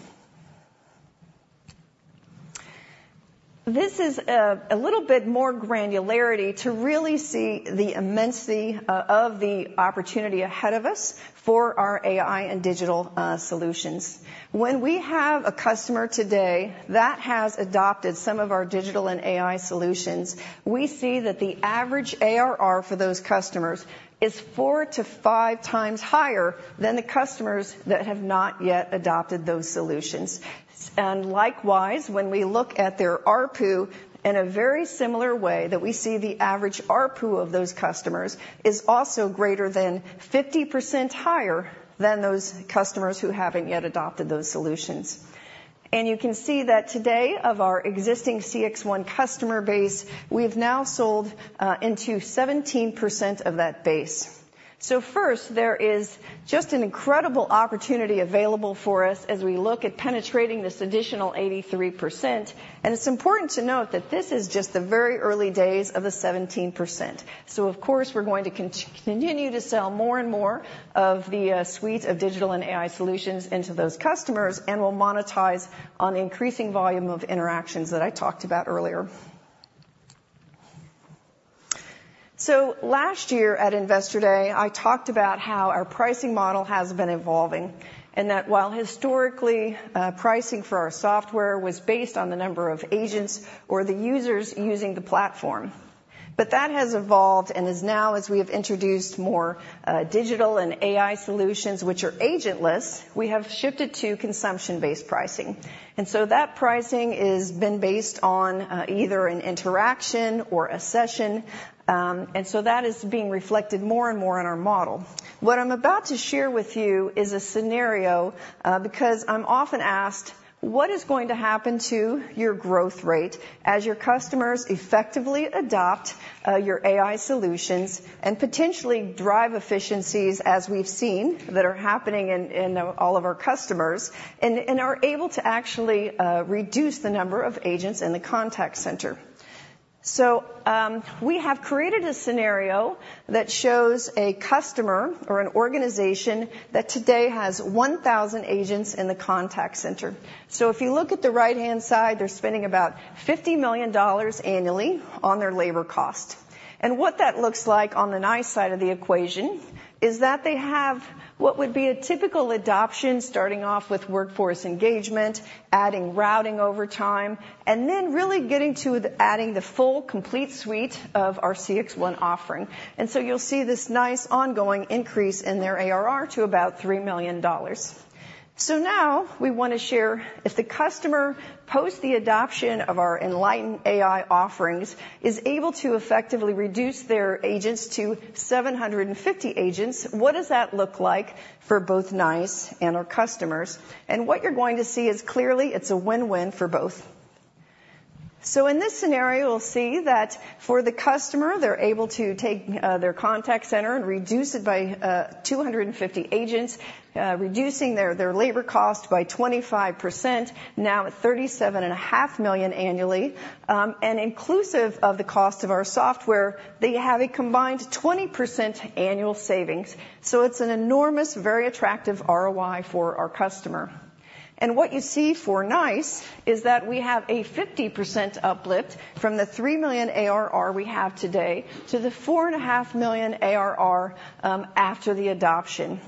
This is a little bit more granularity to really see the immensity of the opportunity ahead of us for our AI and digital solutions. When we have a customer today that has adopted some of our digital and AI solutions, we see that the average ARR for those customers is 4-5 times higher than the customers that have not yet adopted those solutions. And likewise, when we look at their ARPU in a very similar way, that we see the average ARPU of those customers is also greater than 50% higher than those customers who haven't yet adopted those solutions. And you can see that today, of our existing CXone customer base, we've now sold into 17% of that base. So first, there is just an incredible opportunity available for us as we look at penetrating this additional 83%, and it's important to note that this is just the very early days of the 17%. So of course, we're going to continue to sell more and more of the suite of digital and AI solutions into those customers, and we'll monetize on the increasing volume of interactions that I talked about earlier. So last year at Investor Day, I talked about how our pricing model has been evolving, and that while historically pricing for our software was based on the number of agents or the users using the platform. That has evolved and is now, as we have introduced more digital and AI solutions, which are agentless, we have shifted to consumption-based pricing. And so that pricing is been based on, either an interaction or a session, and so that is being reflected more and more in our model. What I'm about to share with you is a scenario, because I'm often asked: What is going to happen to your growth rate as your customers effectively adopt, your AI solutions and potentially drive efficiencies, as we've seen, that are happening in all of our customers, and are able to actually reduce the number of agents in the contact center? So, we have created a scenario that shows a customer or an organization that today has 1,000 agents in the contact center. So if you look at the right-hand side, they're spending about $50 million annually on their labor cost. What that looks like on the NICE side of the equation is that they have what would be a typical adoption, starting off with workforce engagement, adding routing over time, and then really getting to the adding the full, complete suite of our CXone offering. So you'll see this nice ongoing increase in their ARR to about $3 million. So now we want to share, if the customer, post the adoption of our Enlighten AI offerings, is able to effectively reduce their agents to 750 agents, what does that look like for both NICE and our customers? What you're going to see is clearly it's a win-win for both. So in this scenario, we'll see that for the customer, they're able to take their contact center and reduce it by 250 agents, reducing their labor cost by 25%, now at $37.5 million annually. And inclusive of the cost of our software, they have a combined 20% annual savings, so it's an enormous, very attractive ROI for our customer. And what you see for NICE is that we have a 50% uplift from the $3 million ARR we have today to the $4.5 million ARR after the adoption.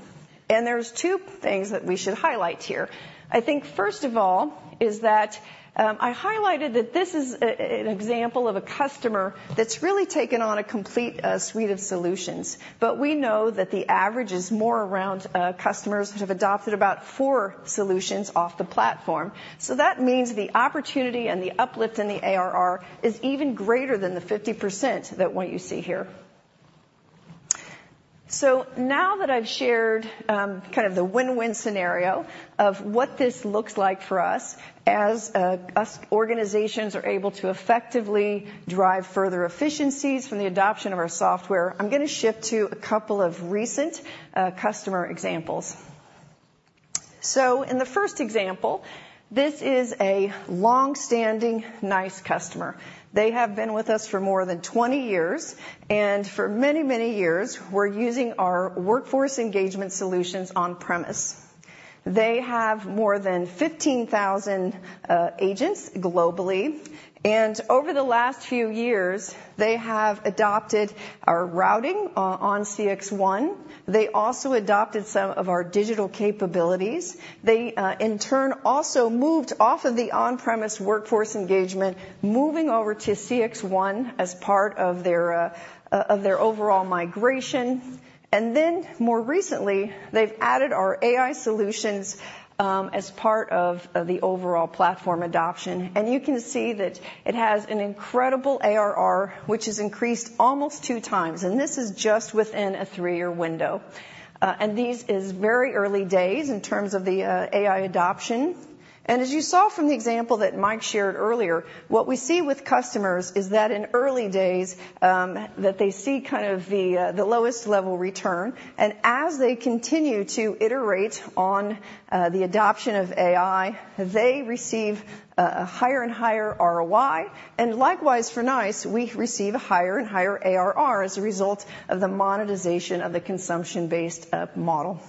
And there's two things that we should highlight here. I think, first of all, is that I highlighted that this is an example of a customer that's really taken on a complete suite of solutions. But we know that the average is more around customers who have adopted about four solutions off the platform. So that means the opportunity and the uplift in the ARR is even greater than the 50% that what you see here. So now that I've shared kind of the win-win scenario of what this looks like for us, as organizations are able to effectively derive further efficiencies from the adoption of our software, I'm gonna shift to a couple of recent customer examples. So in the first example, this is a long-standing NICE customer. They have been with us for more than 20 years, and for many, many years, were using our workforce engagement solutions on premise. They have more than 15,000 agents globally, and over the last few years, they have adopted our routing on CXone. They also adopted some of our digital capabilities. They, in turn, also moved off of the on-premise workforce engagement, moving over to CXone as part of their, of their overall migration. And then, more recently, they've added our AI solutions, as part of, of the overall platform adoption. And you can see that it has an incredible ARR, which has increased almost two times, and this is just within a three-year window. And this is very early days in terms of the, AI adoption. And as you saw from the example that Mike shared earlier, what we see with customers is that in early days, that they see kind of the, the lowest level return. And as they continue to iterate on, the adoption of AI, they receive, a higher and higher ROI. Likewise, for NICE, we receive a higher and higher ARR as a result of the monetization of the consumption-based model.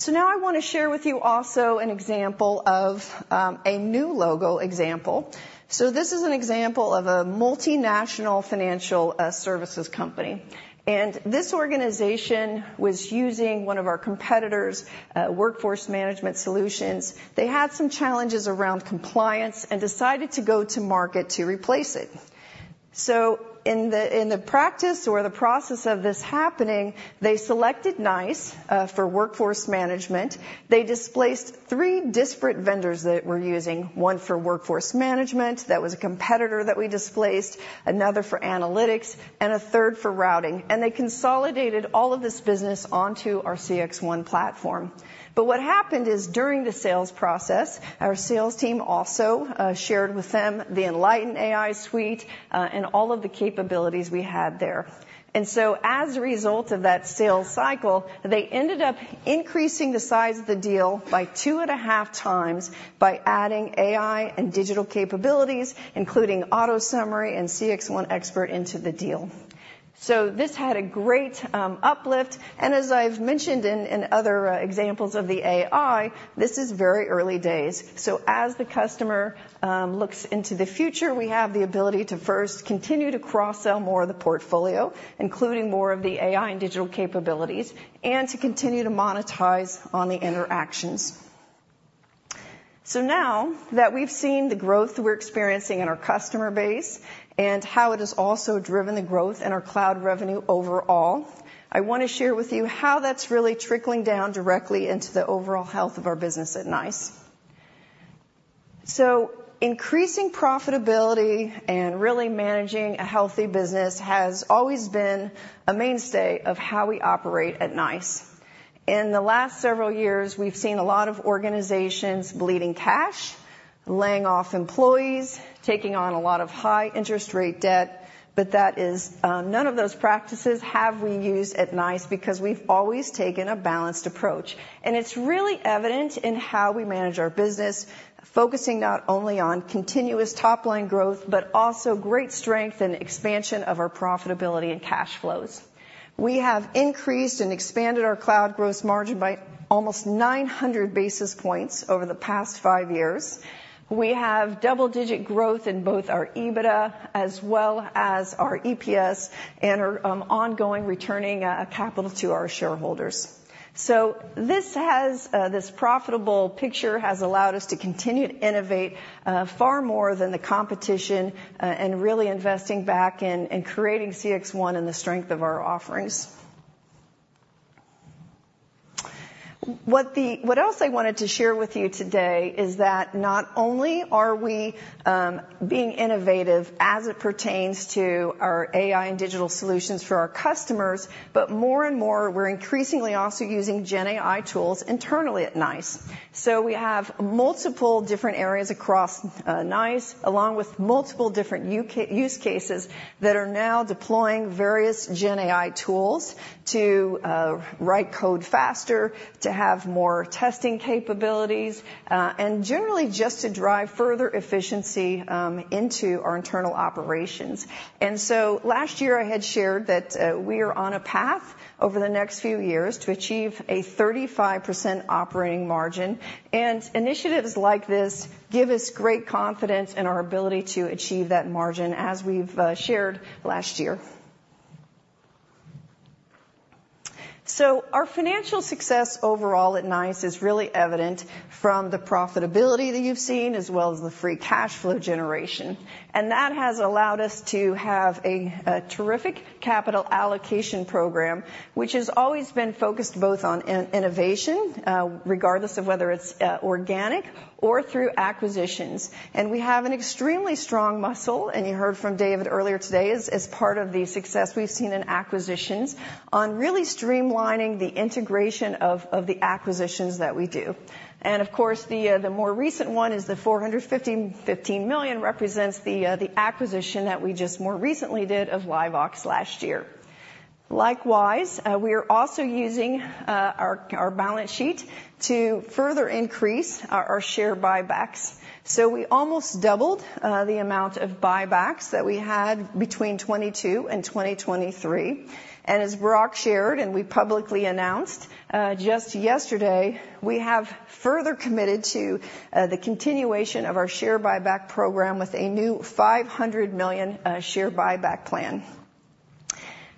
So now I want to share with you also an example of a new logo example. So this is an example of a multinational financial services company, and this organization was using one of our competitors' workforce management solutions. They had some challenges around compliance and decided to go to market to replace it. So in the practice or the process of this happening, they selected NICE for workforce management. They displaced three disparate vendors that we're using. One for workforce management, that was a competitor that we displaced, another for analytics, and a third for routing. And they consolidated all of this business onto our CXone platform. But what happened is, during the sales process, our sales team also shared with them the Enlighten AI suite and all of the capabilities we had there. And so as a result of that sales cycle, they ended up increasing the size of the deal by two and a half times by adding AI and digital capabilities, including Auto Summary and CXone Expert into the deal. So this had a great uplift, and as I've mentioned in other examples of the AI, this is very early days. So as the customer looks into the future, we have the ability to first continue to cross-sell more of the portfolio, including more of the AI and digital capabilities, and to continue to monetize on the interactions. So now that we've seen the growth we're experiencing in our customer base and how it has also driven the growth in our cloud revenue overall, I want to share with you how that's really trickling down directly into the overall health of our business at NICE. So increasing profitability and really managing a healthy business has always been a mainstay of how we operate at NICE. In the last several years, we've seen a lot of organizations bleeding cash, laying off employees, taking on a lot of high interest rate debt, but that is, none of those practices have we used at NICE because we've always taken a balanced approach. And it's really evident in how we manage our business, focusing not only on continuous top line growth, but also great strength and expansion of our profitability and cash flows. We have increased and expanded our cloud gross margin by almost 900 basis points over the past five years. We have double-digit growth in both our EBITDA as well as our EPS and are ongoing returning capital to our shareholders. So this has this profitable picture has allowed us to continue to innovate far more than the competition and really investing back in and creating CXone and the strength of our offerings. What else I wanted to share with you today is that not only are we being innovative as it pertains to our AI and digital solutions for our customers, but more and more, we're increasingly also using GenAI tools internally at NICE. So we have multiple different areas across NICE, along with multiple different use cases, that are now deploying various GenAI tools to write code faster, to have more testing capabilities, and generally just to drive further efficiency into our internal operations. And so last year, I had shared that we are on a path over the next few years to achieve a 35% operating margin, and initiatives like this give us great confidence in our ability to achieve that margin, as we've shared last year. So our financial success overall at NICE is really evident from the profitability that you've seen, as well as the free cash flow generation. And that has allowed us to have a terrific capital allocation program, which has always been focused both on innovation, regardless of whether it's organic or through acquisitions. We have an extremely strong muscle, and you heard from David earlier today, as part of the success we've seen in acquisitions, on really streamlining the integration of the acquisitions that we do. And of course, the more recent one is the $415 million represents the acquisition that we just more recently did of LiveVox last year. Likewise, we are also using our balance sheet to further increase our share buybacks. So we almost doubled the amount of buybacks that we had between 2022 and 2023. And as Barak shared, and we publicly announced just yesterday, we have further committed to the continuation of our share buyback program with a new $500 million share buyback plan.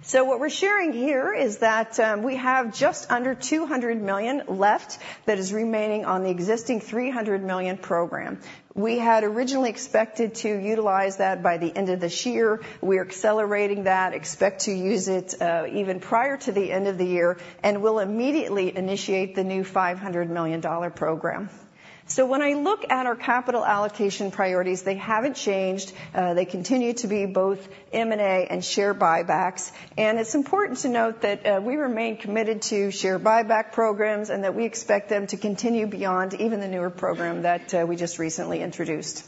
So what we're sharing here is that we have just under $200 million left that is remaining on the existing $300 million program. We had originally expected to utilize that by the end of this year. We're accelerating that, expect to use it even prior to the end of the year, and we'll immediately initiate the new $500 million program. So when I look at our capital allocation priorities, they haven't changed. They continue to be both M&A and share buybacks. And it's important to note that we remain committed to share buyback programs and that we expect them to continue beyond even the newer program that we just recently introduced.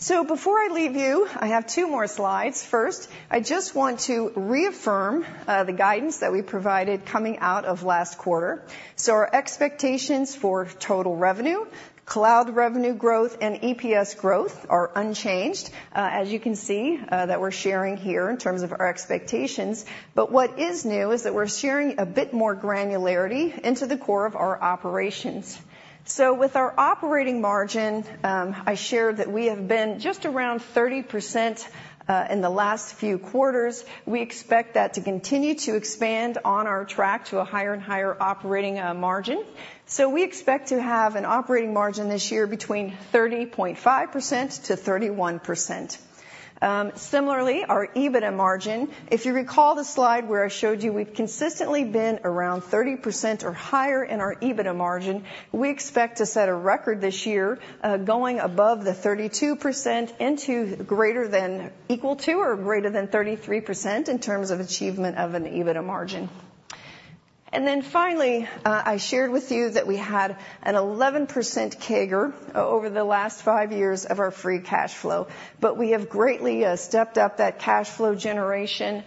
So before I leave you, I have two more slides. First, I just want to reaffirm the guidance that we provided coming out of last quarter. So our expectations for total revenue, cloud revenue growth, and EPS growth are unchanged, as you can see, that we're sharing here in terms of our expectations. But what is new is that we're sharing a bit more granularity into the core of our operations. So with our operating margin, I shared that we have been just around 30%, in the last few quarters. We expect that to continue to expand on our track to a higher and higher operating margin. So we expect to have an operating margin this year between 30.5%-31%. Similarly, our EBITDA margin, if you recall the slide where I showed you, we've consistently been around 30% or higher in our EBITDA margin. We expect to set a record this year, going above the 32% into greater than or equal to or greater than 33% in terms of achievement of an EBITDA margin. And then finally, I shared with you that we had an 11% CAGR over the last five years of our free cash flow, but we have greatly stepped up that cash flow generation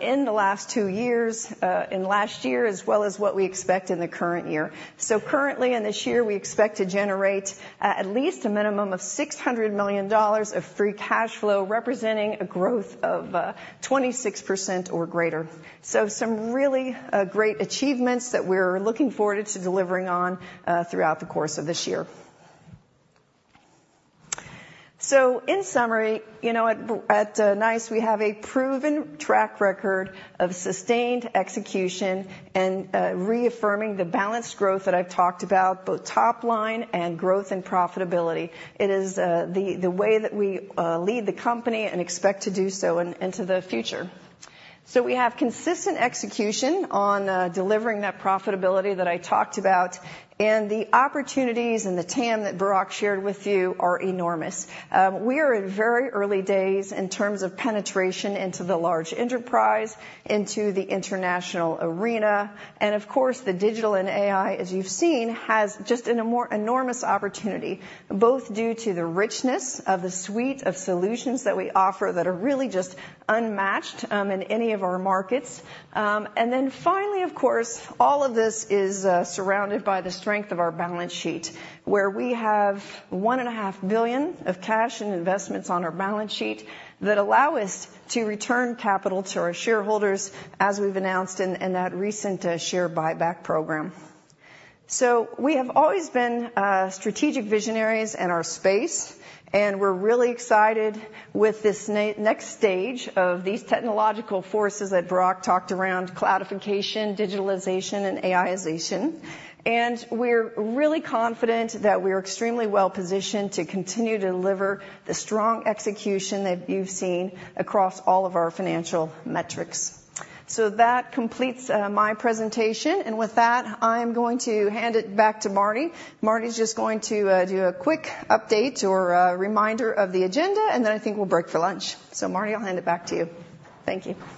in the last two years, in last year, as well as what we expect in the current year. So currently, in this year, we expect to generate at least a minimum of $600 million of free cash flow, representing a growth of 26% or greater. So some really great achievements that we're looking forward to delivering on throughout the course of this year. In summary, you know, at NICE, we have a proven track record of sustained execution and reaffirming the balanced growth that I've talked about, both top line and growth and profitability. It is the way that we lead the company and expect to do so into the future. So we have consistent execution on delivering that profitability that I talked about, and the opportunities and the TAM that Barak shared with you are enormous. We are in very early days in terms of penetration into the large enterprise, into the international arena. And of course, the digital and AI, as you've seen, has just a more enormous opportunity, both due to the richness of the suite of solutions that we offer that are really just unmatched in any of our markets. Then finally, of course, all of this is surrounded by the strength of our balance sheet, where we have $1.5 billion of cash and investments on our balance sheet that allow us to return capital to our shareholders, as we've announced in that recent share buyback program. So we have always been strategic visionaries in our space, and we're really excited with this next stage of these technological forces that Barak talked around, cloudification, digitalization, and AI-zation. And we're really confident that we're extremely well-positioned to continue to deliver the strong execution that you've seen across all of our financial metrics. So that completes my presentation. And with that, I'm going to hand it back to Marty. Marty's just going to do a quick update or a reminder of the agenda, and then I think we'll break for lunch. So Marty, I'll hand it back to you. Thank you.